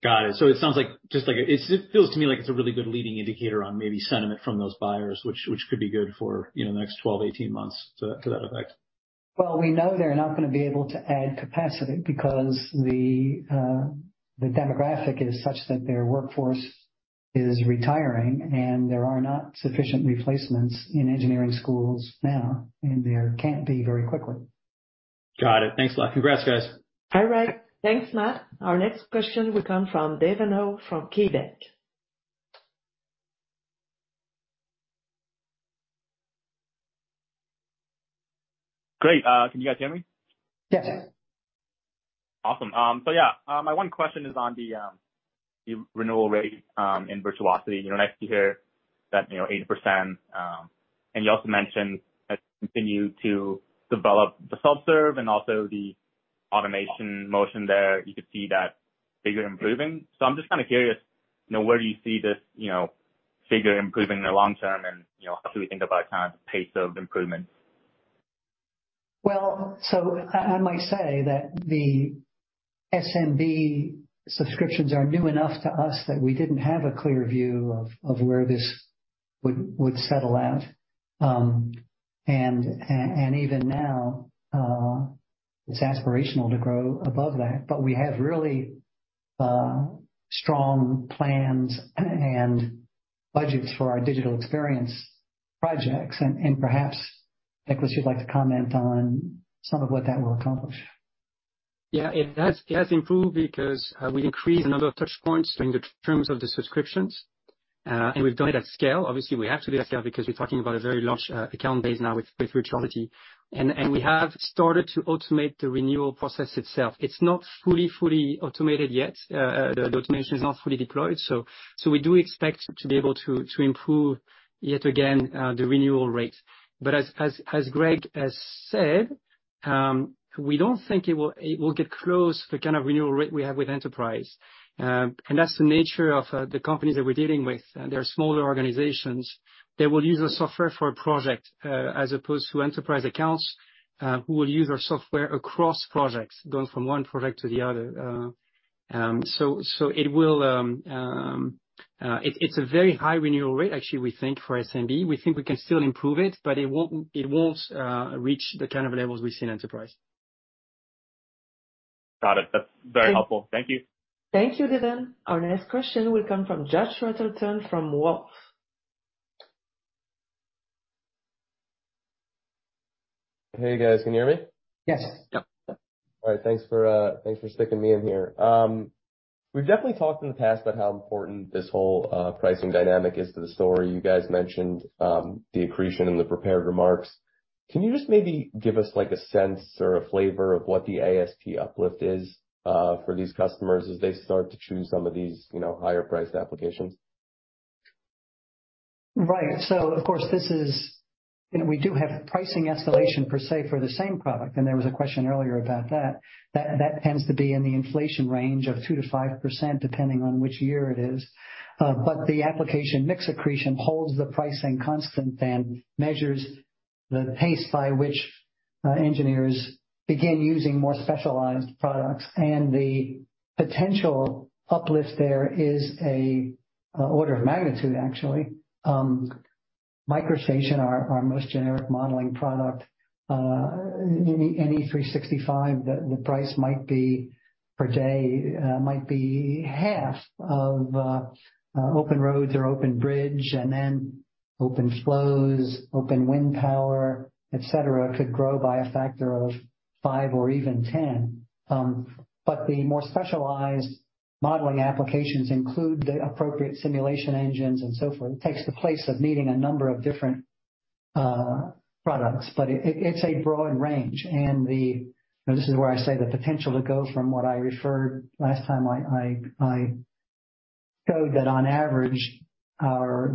Got it. It sounds like, just like it- it feels to me like it's a really good leading indicator on maybe sentiment from those buyers, which, which could be good for, you know, the next 12, 18 months, to, to that effect. Well, we know they're not going to be able to add capacity because the demographic is such that their workforce is retiring, and there are not sufficient replacements in engineering schools now, and there can't be very quickly. Got it. Thanks a lot. Congrats, guys. All right. Thanks, Matt. Our next question will come from Devin Au from KeyBanc. Great, can you guys hear me? Yes. Yeah. Awesome. Yeah, my one question is on the renewal rate in Virtuosity. You know, nice to hear that, you know, 80%, and you also mentioned that you continue to develop the self-serve and also the automation motion there. You could see that figure improving. I'm just kind of curious, you know, where do you see this, you know, figure improving in the long term? You know, how should we think about kind of the pace of improvement? I, I might say that the SMB subscriptions are new enough to us that we didn't have a clear view of, of where this would, would settle out. Even now, it's aspirational to grow above that. We have really, strong plans and budgets for our digital experience projects. Perhaps, Nicholas, you'd like to comment on some of what that will accomplish. Yeah, it has improved because we increased the number of touch points in the terms of the subscriptions. We've done it at scale. Obviously, we have to do that scale because we're talking about a very large account base now with Virtuosity. We have started to automate the renewal process itself. It's not fully automated yet. The automation is not fully deployed, so we do expect to be able to improve, yet again, the renewal rate. As Greg has said, we don't think it will get close to the kind of renewal rate we have with Enterprise. That's the nature of the companies that we're dealing with. They're smaller organizations. They will use our software for a project, as opposed to enterprise accounts, who will use our software across projects, going from one project to the other. It's a very high renewal rate, actually, we think, for SMB. We think we can still improve it, but it won't, it won't, reach the kind of levels we see in Enterprise. Got it. That's very helpful. Thank you. Thank you, David. Our next question will come from Joshua Tilton from Wolfe. Hey, guys, can you hear me? Yes. Yep. All right, thanks for, thanks for sticking me in here. We've definitely talked in the past about how important this whole pricing dynamic is to the story. You guys mentioned the accretion in the prepared remarks. Can you just maybe give us, like, a sense or a flavor of what the ASP uplift is for these customers as they start to choose some of these, you know, higher priced applications? Right. Of course, this is, you know, we do have pricing escalation per se for the same product, and there was a question earlier about that. That, that tends to be in the inflation range of 2%-5%, depending on which year it is. The application mix accretion holds the pricing constant and measures the pace by which engineers begin using more specialized products. The potential uplift there is a order of magnitude, actually. MicroStation, our, our most generic modeling product, E365, the, the price might be per day, might be half of OpenRoads or OpenBridge, and then OpenFlows, OpenWindPower, et cetera, could grow by a factor of five or even 10. The more specialized modeling applications include the appropriate simulation engines and so forth. It takes the place of needing a number of different products, but it's a broad range. This is where I say the potential to go from what I referred last time I showed that on average, our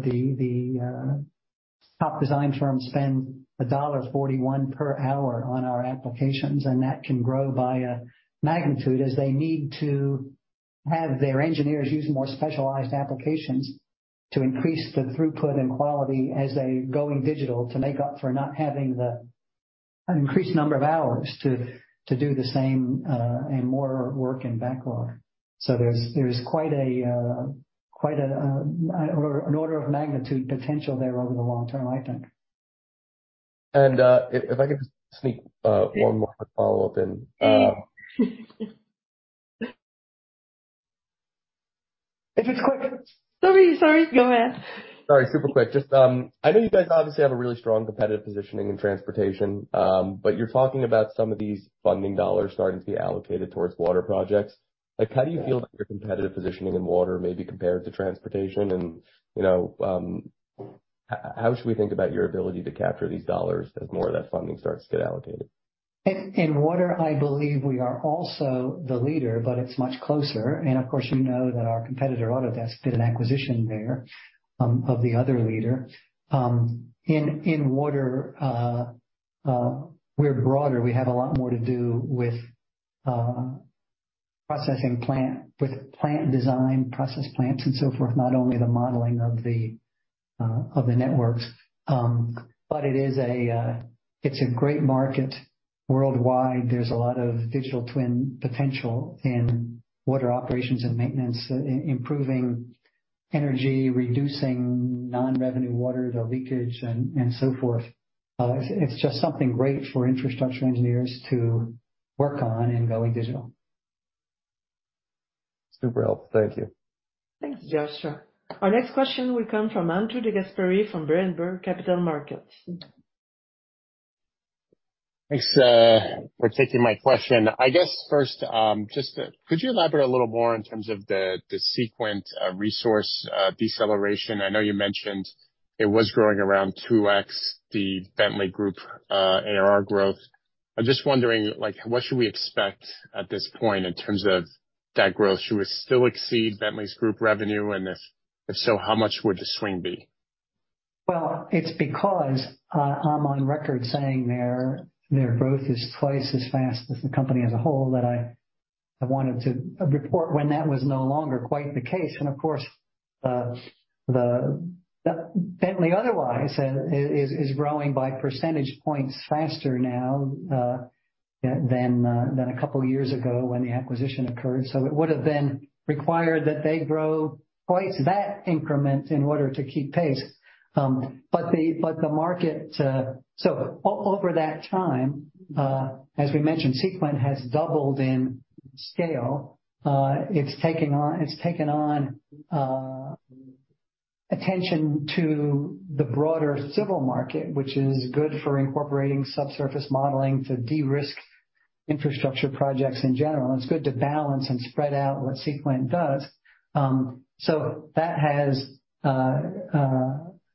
top design firms spend $1.41 per hour on our applications, and that can grow by a magnitude as they need to have their engineers use more specialized applications to increase the throughput and quality as they're going digital, to make up for not having an increased number of hours to do the same and more work in backlog. There's quite a, quite an order of magnitude potential there over the long term, I think.... If, if I could just sneak, one more follow-up in, If it's quick. Sorry, sorry, go ahead. Sorry, super quick. Just, I know you guys obviously have a really strong competitive positioning in transportation, but you're talking about some of these funding dollars starting to be allocated towards water projects. Like, how do you feel about your competitive positioning in water, maybe compared to transportation? You know, how should we think about your ability to capture these dollars as more of that funding starts to get allocated? In water, I believe we are also the leader, but it's much closer. Of course, you know that our competitor, Autodesk, did an acquisition there, of the other leader. In water, we're broader. We have a lot more to do with processing plant, with plant design, process plants, and so forth, not only the modeling of the networks, but it is a, it's a great market worldwide. There's a lot of digital twin potential in water operations and maintenance, improving energy, reducing non-revenue water, the leakage, and so forth. It's just something great for infrastructure engineers to work on in going digital. Super helpful. Thank you. Thanks, Joshua. Our next question will come from Andrew DeGasperi, from Berenberg Capital Markets. Thanks for taking my question. I guess, first, could you elaborate a little more in terms of the Seequent resource deceleration? I know you mentioned it was growing around 2x, the Bentley Group ARR growth. I'm just wondering, like, what should we expect at this point in terms of that growth? Should we still exceed Bentley's group revenue, and if, if so, how much would the swing be? Well, it's because I'm on record saying their, their growth is twice as fast as the company as a whole, that I, I wanted to report when that was no longer quite the case. Of course, Bentley Systems otherwise is growing by percentage points faster now than a couple of years ago when the acquisition occurred. It would have then required that they grow twice that increment in order to keep pace. Over that time, as we mentioned, Seequent has doubled in scale. It's taken on attention to the broader civil market, which is good for incorporating subsurface modeling to de-risk infrastructure projects in general. It's good to balance and spread out what Seequent does.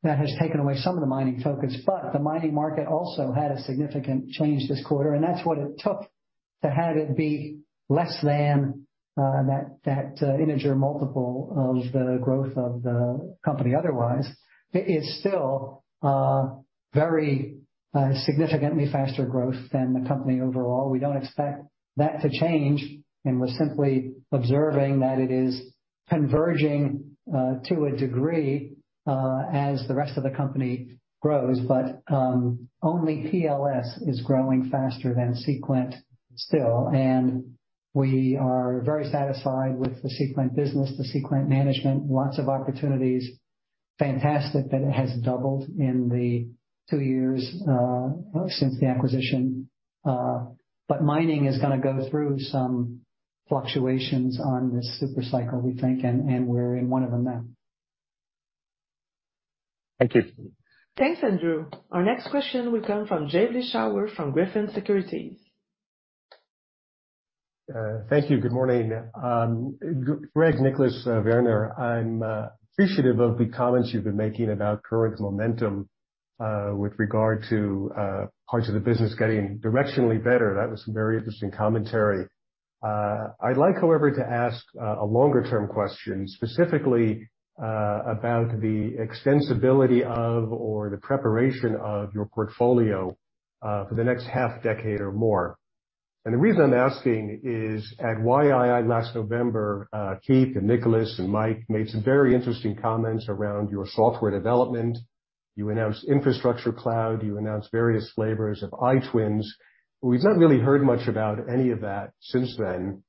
That has taken away some of the mining focus, but the mining market also had a significant change this quarter, and that's what it took to have it be less than that integer multiple of the growth of the company otherwise. It is still very significantly faster growth than the company overall. We don't expect that to change, and we're simply observing that it is converging to a degree as the rest of the company grows. Only PLAXIS is growing faster than Seequent still, and we are very satisfied with the Seequent business, the Seequent management. Lots of opportunities. Fantastic that it has doubled in the two years since the acquisition, but mining is gonna go through some fluctuations on this super cycle, we think, and we're in one of them now. Thank you. Thanks, Andrew. Our next question will come from Jay Vleeschhouwer, from Griffin Securities. Thank you. Good morning. Greg, Nicholas, Werner. I'm appreciative of the comments you've been making about current momentum with regard to parts of the business getting directionally better. That was some very interesting commentary. I'd like, however, to ask a longer-term question, specifically, about the extensibility of or the preparation of your portfolio for the next half decade or more. The reason I'm asking is, at YII last November, Keith and Nicholas and Mike made some very interesting comments around your software development. You announced Bentley Infrastructure Cloud, you announced various flavors of iTwins, but we've not really heard much about any of that since then.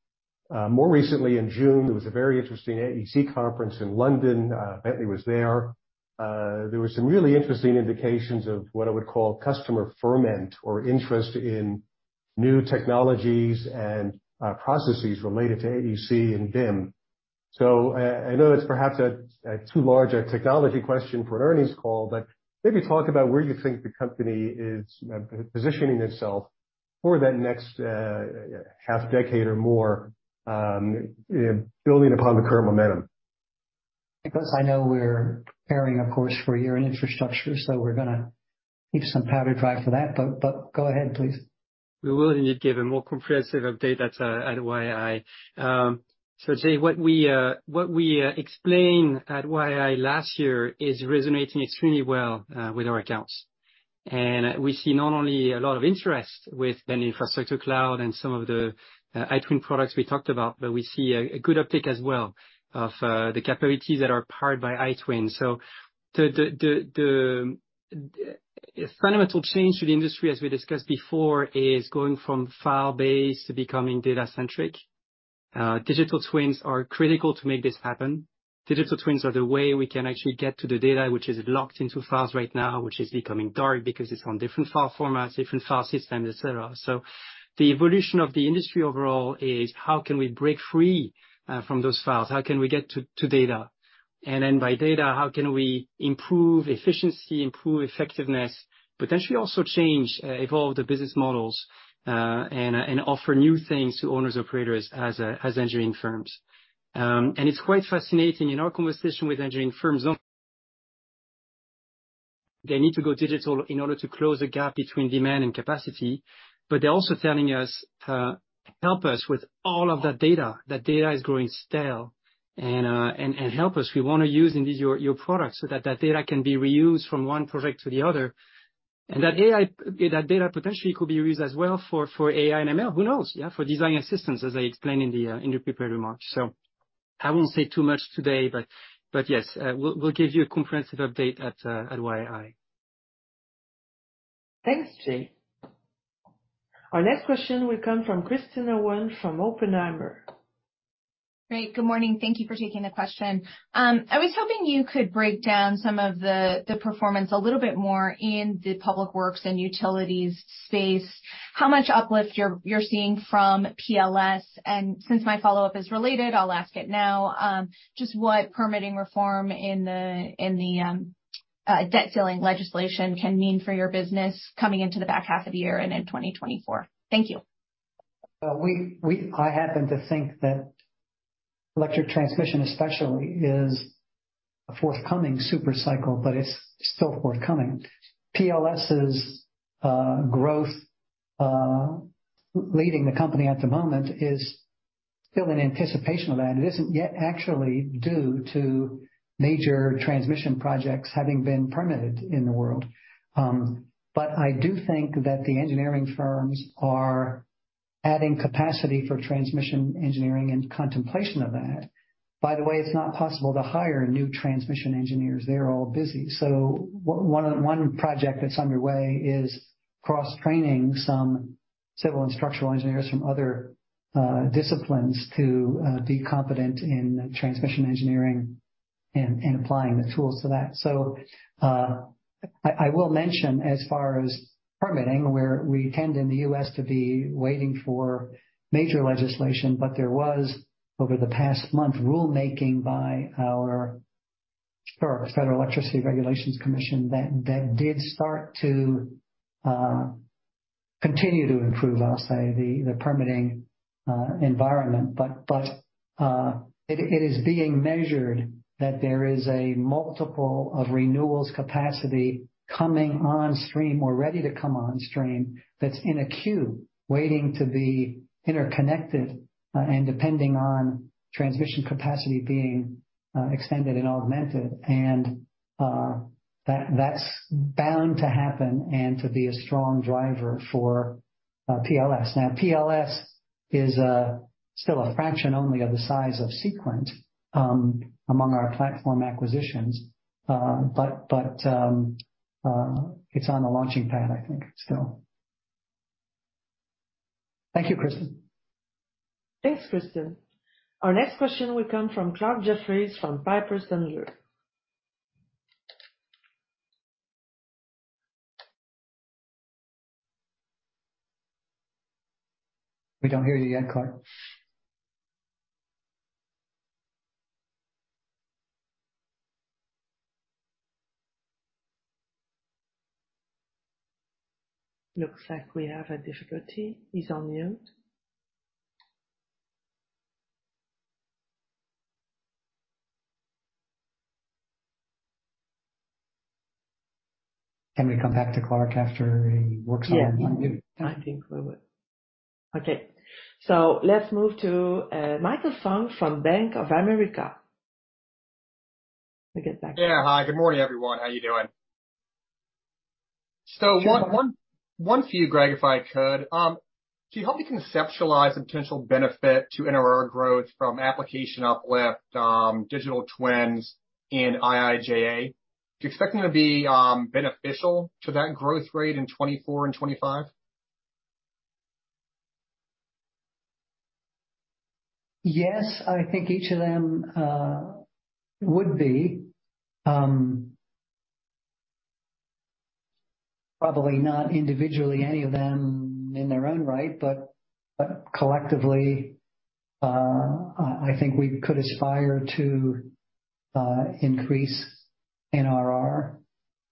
More recently, in June, there was a very interesting AEC conference in London. Bentley was there. There were some really interesting indications of what I would call customer ferment or interest in new technologies and processes related to AEC and BIM. I know that's perhaps a too large a technology question for an earnings call, but maybe talk about where you think the company is positioning itself for that next half decade or more, building upon the current momentum? I know we're preparing, of course, for a Year in Infrastructure, so we're gonna keep some powder dry for that, but go ahead, please. We will indeed give a more comprehensive update at YII. Jay, what we explained at YII last year is resonating extremely well with our accounts. We see not only a lot of interest with the Infrastructure Cloud and some of the iTwin products we talked about, but we see a good uptick as well of the capabilities that are powered by iTwin. The fundamental change to the industry, as we discussed before, is going from file-based to becoming data-centric. Digital twins are critical to make this happen. Digital twins are the way we can actually get to the data, which is locked into files right now, which is becoming dark because it's on different file formats, different file systems, et cetera. The evolution of the industry overall is how can we break free from those files? How can we get to data? By data, how can we improve efficiency, improve effectiveness, potentially also change, evolve the business models, and offer new things to owners, operators as engineering firms? It's quite fascinating. In our conversation with engineering firms, they need to go digital in order to close the gap between demand and capacity. They're also telling us, "Help us with all of that data. That data is growing stale, and help us. We want to use, indeed, your, your products so that that data can be reused from one project to the other, and that data potentially could be reused as well for AI and ML." Who knows, yeah, for design assistance, as I explained in the prepared remarks. I won't say too much today, but yes, we'll give you a comprehensive update at YI. Thanks, Jay. Our next question will come from Kristen Owen from Oppenheimer. Great. Good morning. Thank you for taking the question. I was hoping you could break down some of the performance a little bit more in the public works and utilities space. How much uplift you're seeing from PLAXIS? Since my follow-up is related, I'll ask it now. Just what permitting reform in the debt ceiling legislation can mean for your business coming into the back half of the year and in 2024? Thank you. We, I happen to think that electric transmission, especially, is a forthcoming super cycle, but it's still forthcoming. PLAXIS's growth leading the company at the moment is still in anticipation of that. It isn't yet actually due to major transmission projects having been permitted in the world. I do think that the engineering firms are adding capacity for transmission engineering and contemplation of that. By the way, it's not possible to hire new transmission engineers. They're all busy. One, one project that's underway is cross-training some civil and structural engineers from other disciplines to be competent in transmission engineering and applying the tools to that. I, I will mention, as far as permitting, where we tend in the U.S. to be waiting for major legislation, there was, over the past month, rulemaking by our Federal Energy Regulatory Commission, that did start to continue to improve, I'll say, the permitting environment. It is being measured that there is a multiple of renewals capacity coming on stream or ready to come on stream, that's in a queue waiting to be interconnected, and depending on transmission capacity being extended and augmented. That's bound to happen and to be a strong driver for PLAXIS. PLAXIS is still a fraction only of the size of Seequent among our platform acquisitions. It's on the launching pad, I think, still. Thank you, Kristen. Thanks, Kristen. Our next question will come from Clarke Jeffries from Piper Sandler. We don't hear you yet, Clarke. Looks like we have a difficulty. He's on mute. Can we come back to Clark after he works on- Yeah, I think we will. Okay, let's move to Michael Funk from Bank of America. We'll get back to you. Yeah. Hi, good morning, everyone. How are you doing? One for you, Greg, if I could. Can you help me conceptualize the potential benefit to NRR growth from application uplift, digital twins and IIJA? Do you expect them to be beneficial to that growth rate in 2024 and 2025? Yes, I think each of them would be probably not individually, any of them in their own right, but collectively, I think we could aspire to increase NRR.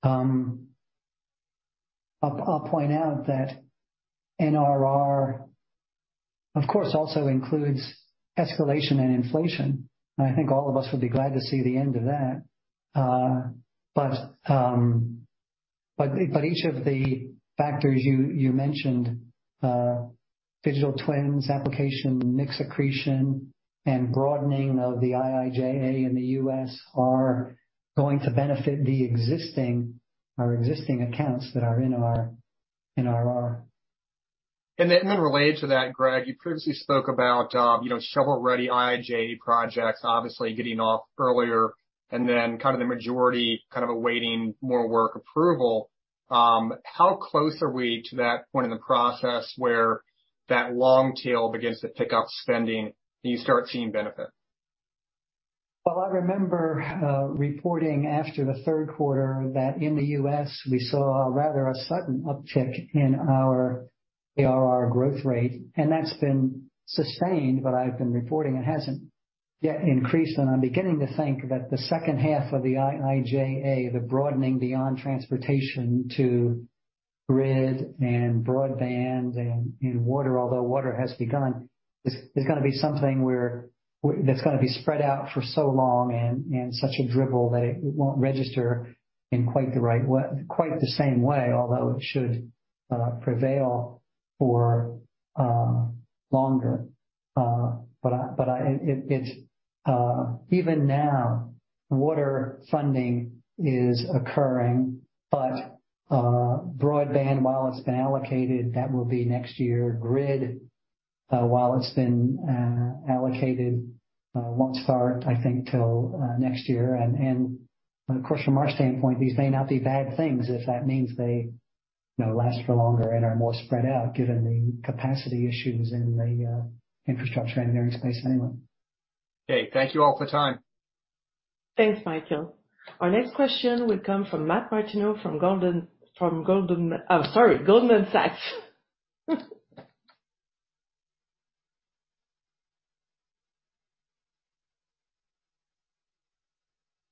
I'll point out that NRR, of course, also includes escalation and inflation, I think all of us would be glad to see the end of that. But each of the factors you mentioned, digital twins, application, mix accretion, and broadening of the IIJA in the U.S. are going to benefit the existing our existing accounts that are in our NRR. Related to that, Greg, you previously spoke about, you know, shovel-ready IIJA projects, obviously getting off earlier, and then kind of the majority, kind of awaiting more work approval. How close are we to that point in the process where that long tail begins to pick up spending and you start seeing benefit? Well, I remember reporting after the Q3 that in the U.S. we saw a rather sudden uptick in our ARR growth rate, and that's been sustained, but I've been reporting it hasn't yet increased. I'm beginning to think that the second half of the IIJA, the broadening beyond transportation to grid and broadband and water, although water has begun, is gonna be something that's gonna be spread out for so long and such a dribble, that it won't register in quite the right way, quite the same way, although it should prevail for longer. Even now, water funding is occurring, but broadband, while it's been allocated, that will be next year. Grid, while it's been allocated, won't start, I think, till next year. Of course, from our standpoint, these may not be bad things if that means they, you know, last for longer and are more spread out, given the capacity issues in the infrastructure engineering space anyway. Okay, thank you all for the time. Thanks, Michael. Our next question will come from Matt Martino, Oh, sorry, Goldman Sachs.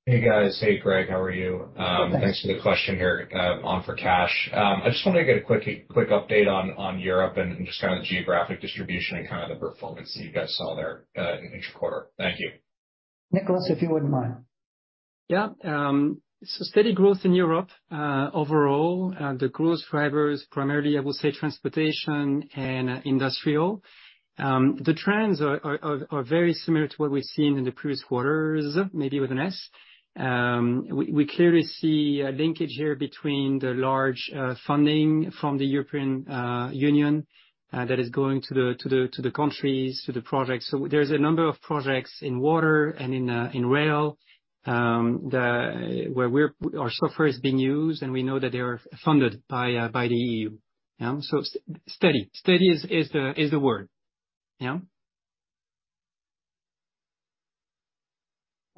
Hey, guys. Hey, Greg, how are you? Thanks. Thanks for the question here, on for Kash. I just want to get a quick, quick update on, on Europe and just kind of the geographic distribution and kind of the performance that you guys saw there, in each quarter. Thank you. Nicholas, if you wouldn't mind. Steady growth in Europe. Overall, the growth drivers, primarily, I would say, transportation and industrial. The trends are, are, are, are very similar to what we've seen in the previous quarters, maybe with an S. We, we clearly see a linkage here between the large funding from the European Union that is going to the, to the, to the countries, to the projects. So there's a number of projects in water and in rail, where our software is being used, and we know that they are funded by the E.U. So steady. Steady is, is the, is the word. Yeah?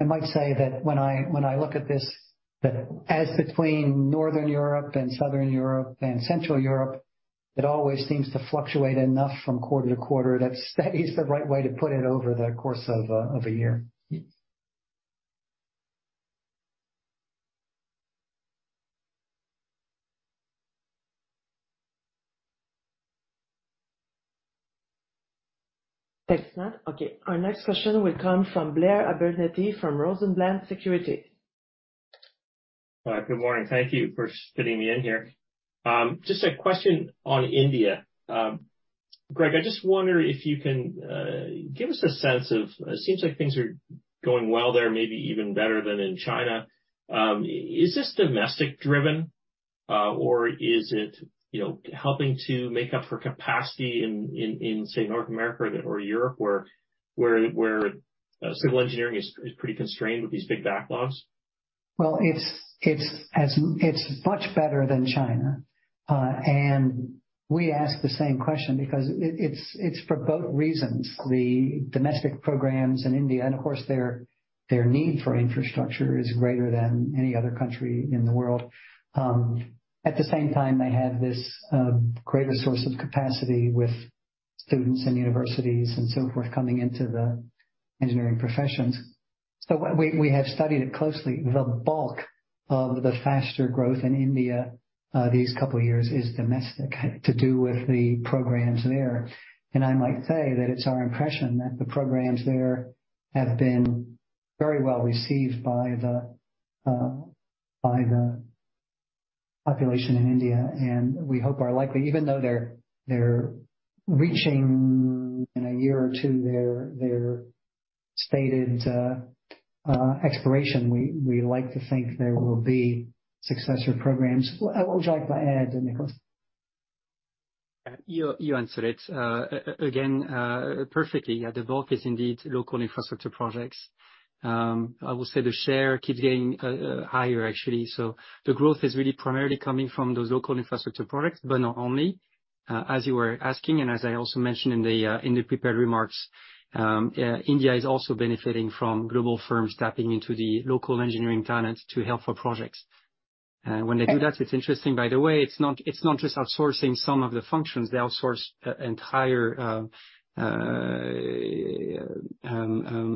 I might say that when I, when I look at this, that as between Northern Europe and Southern Europe and Central Europe, it always seems to fluctuate enough from quarter to quarter, that steady is the right way to put it over the course of a, of a year. Thanks, Matt. Okay, our next question will come from Blair Abernethy, from Rosenblatt Securities. Hi, good morning. Thank you for fitting me in here. Just a question on India. Greg, I just wonder if you can give us a sense of, seems like things are going well there, maybe even better than in China. Is this domestic driven, or is it, you know, helping to make up for capacity in, say, North America or Europe, where civil engineering is pretty constrained with these big backlogs? Well, it's, it's much better than China. We ask the same question because it, it's, it's for both reasons. The domestic programs in India, and of course, their, their need for infrastructure is greater than any other country in the world. At the same time, they have this, greater source of capacity with students and universities and so forth coming into the engineering professions. We have studied it closely. The bulk of the faster growth in India, these couple of years is domestic, to do with the programs there. I might say that it's our impression that the programs there have been very well received by the, by the population in India, and we hope are likely, even though they're, they're reaching, in a year or two, their, their stated, expiration, we, we like to think there will be successor programs. Would you like to add, Nicholas? You, you answered it, again, perfectly. Yeah, the bulk is indeed local infrastructure projects. I will say the share keeps getting higher, actually. The growth is really primarily coming from those local infrastructure products, but not only, as you were asking, and as I also mentioned in the prepared remarks, India is also benefiting from global firms tapping into the local engineering talent to help for projects. When they do that, it's interesting, by the way, it's not, it's not just outsourcing some of the functions, they outsource entire,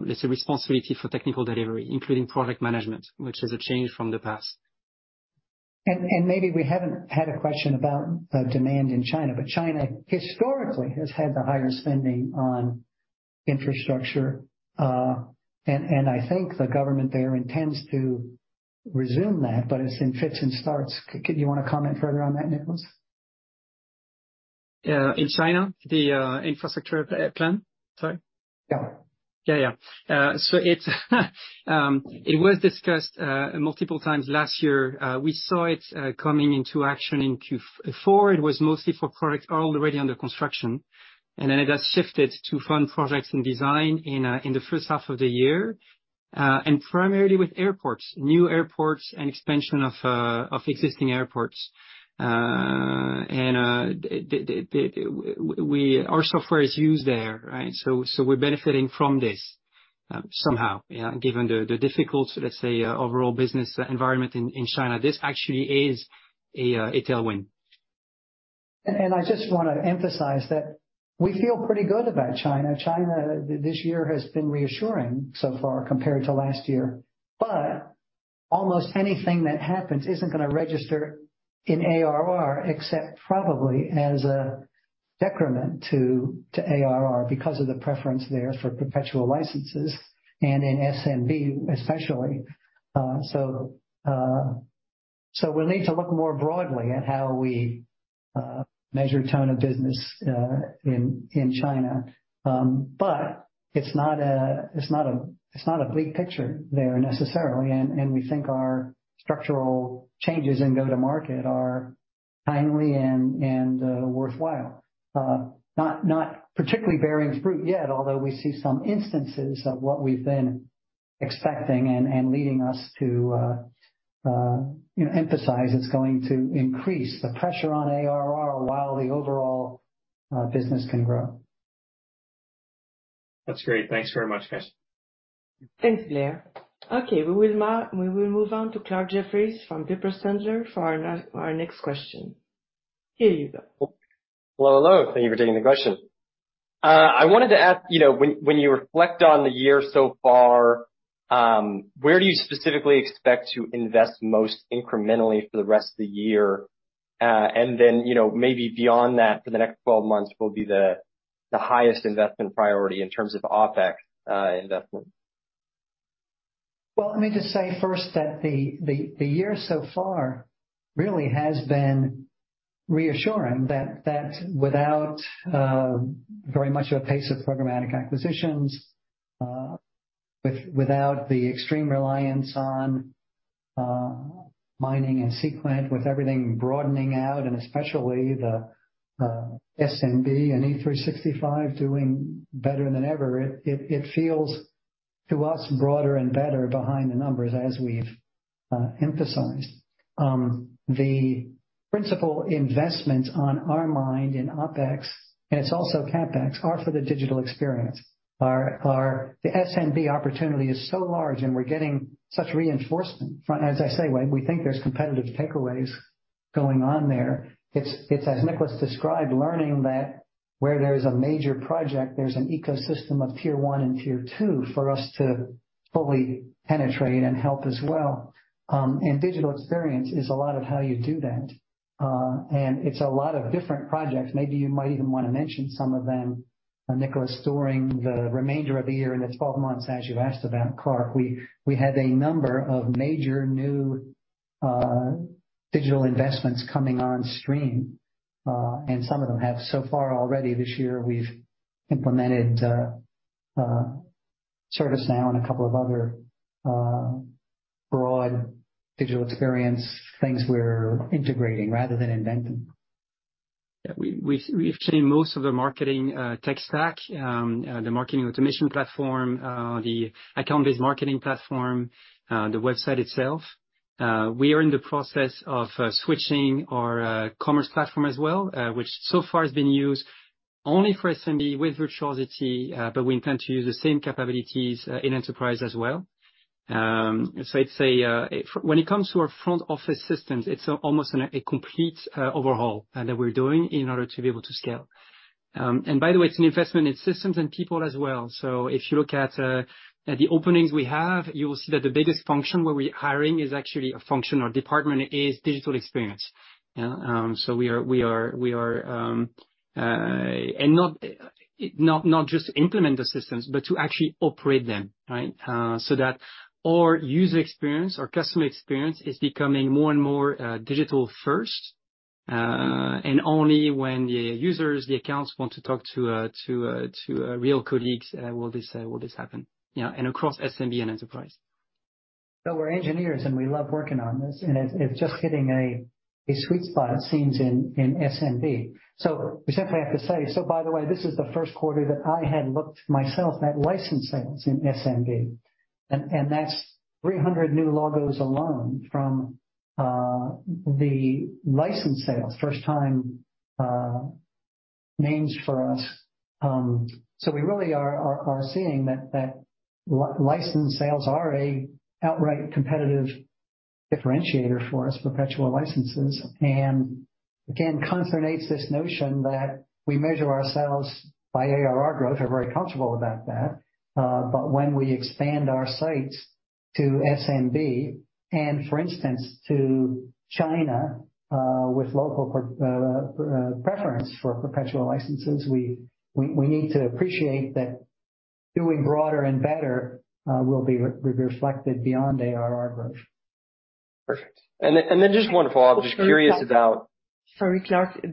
let's say, responsibility for technical delivery, including product management, which is a change from the past. Maybe we haven't had a question about demand in China, but China historically has had the higher spending on infrastructure. And, and I think the government there intends to resume that, but it's in fits and starts. Do you want to comment further on that, Nicholas? In China, the infrastructure plan? Sorry. Yeah. Yeah, yeah. It's, it was discussed multiple times last year. We saw it coming into action in Q4. It was mostly for projects already under construction, then it has shifted to fund projects and design in the first half of the year. Primarily with airports, new airports and expansion of existing airports. The, the, the, we, our software is used there, right? So we're benefiting from this somehow, yeah, given the, the difficult, let's say, overall business environment in China, this actually is a tailwind. I just wanna emphasize that we feel pretty good about China. China, this year has been reassuring so far compared to last year. Almost anything that happens isn't gonna register in ARR, except probably as a decrement to ARR because of the preference there for perpetual licenses and in SMB especially. We'll need to look more broadly at how we measure tone of business in China. It's not a, it's not a, it's not a bleak picture there necessarily, and we think our structural changes in go-to-market are timely and worthwhile. Not, not particularly bearing fruit yet, although we see some instances of what we've been expecting and leading us to, you know, emphasize it's going to increase the pressure on ARR while the overall business can grow. That's great. Thanks very much, guys. Thanks, Blair. Okay, we will move on to Clarke Jeffries from Piper Sandler for our next question. Here you go. Hello, hello, thank you for taking the question. I wanted to ask, you know, when, when you reflect on the year so far, where do you specifically expect to invest most incrementally for the rest of the year? Then, you know, maybe beyond that, for the next 12 months, what will be the, the highest investment priority in terms of OpEx investment? Well, let me just say first that the, the, the year so far really has been reassuring that, that without very much of a pace of programmatic acquisitions, without the extreme reliance on mining and C plant, with everything broadening out, and especially the SMB and E365 doing better than ever, it, it, it feels to us broader and better behind the numbers as we've emphasized. The principal investments on our mind in OpEx, and it's also CapEx, are for the digital experience. The SMB opportunity is so large, and we're getting such reinforcement from... As I say, we, we think there's competitive takeaways going on there. It's, it's, as Nicholas described, learning that where there's a major project, there's an ecosystem of tier one and tier two for us to fully penetrate and help as well. Digital experience is a lot of how you do that. It's a lot of different projects. Maybe you might even wanna mention some of them, Nicholas, during the remainder of the year, in the 12 months, as you asked about, Clark. We had a number of major new digital investments coming on stream, and some of them have so far already. This year, we've implemented ServiceNow and a couple of other broad digital experience things we're integrating rather than inventing. Yeah. We've changed most of the marketing tech stack, the marketing automation platform, the account-based marketing platform, the website itself. We are in the process of switching our commerce platform as well, which so far has been used only for SMB with Virtuosity, but we intend to use the same capabilities in Enterprise as well. When it comes to our front office systems, it's almost a complete overhaul that we're doing in order to be able to scale. By the way, it's an investment in systems and people as well. If you look at the openings we have, you will see that the biggest function where we're hiring is actually a function, or department, is digital experience. Yeah, so we are. Not just implement the systems, but to actually operate them, right? So that our user experience, our customer experience, is becoming more and more digital first, and only when the users, the accounts want to talk to real colleagues, will this happen, you know, and across SMB and enterprise. We're engineers, and we love working on this, and it's just hitting a sweet spot, it seems, in SMB. We simply have to say. By the way, this is the Q1 that I had looked myself at license sales in SMB, and that's 300 new logos alone from the license sales. First time names for us. We really are seeing that license sales are an outright competitive differentiator for us, perpetual licenses. Again, contravenes this notion that we measure ourselves by ARR growth. We're very comfortable about that. When we expand our sights to SMB and, for instance, to China, with local preference for perpetual licenses, we need to appreciate that doing broader and better will be reflected beyond ARR growth. Perfect. Then just one follow-up. Just curious about- Sorry, Clarke, the,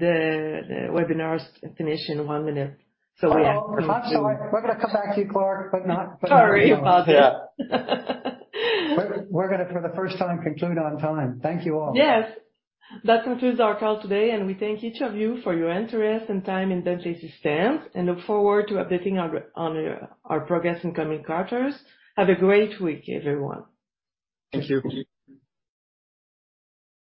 the webinar is finished in one minute. We have to- Oh, I'm sorry. We're gonna come back to you, Clark, but not- Sorry about that. We're, we're gonna, for the first time, conclude on time. Thank you all. Yes. That concludes our call today, and we thank each of you for your interest and time in Bentley Systems, and look forward to updating our, on, our progress in coming quarters. Have a great week, everyone. Thank you.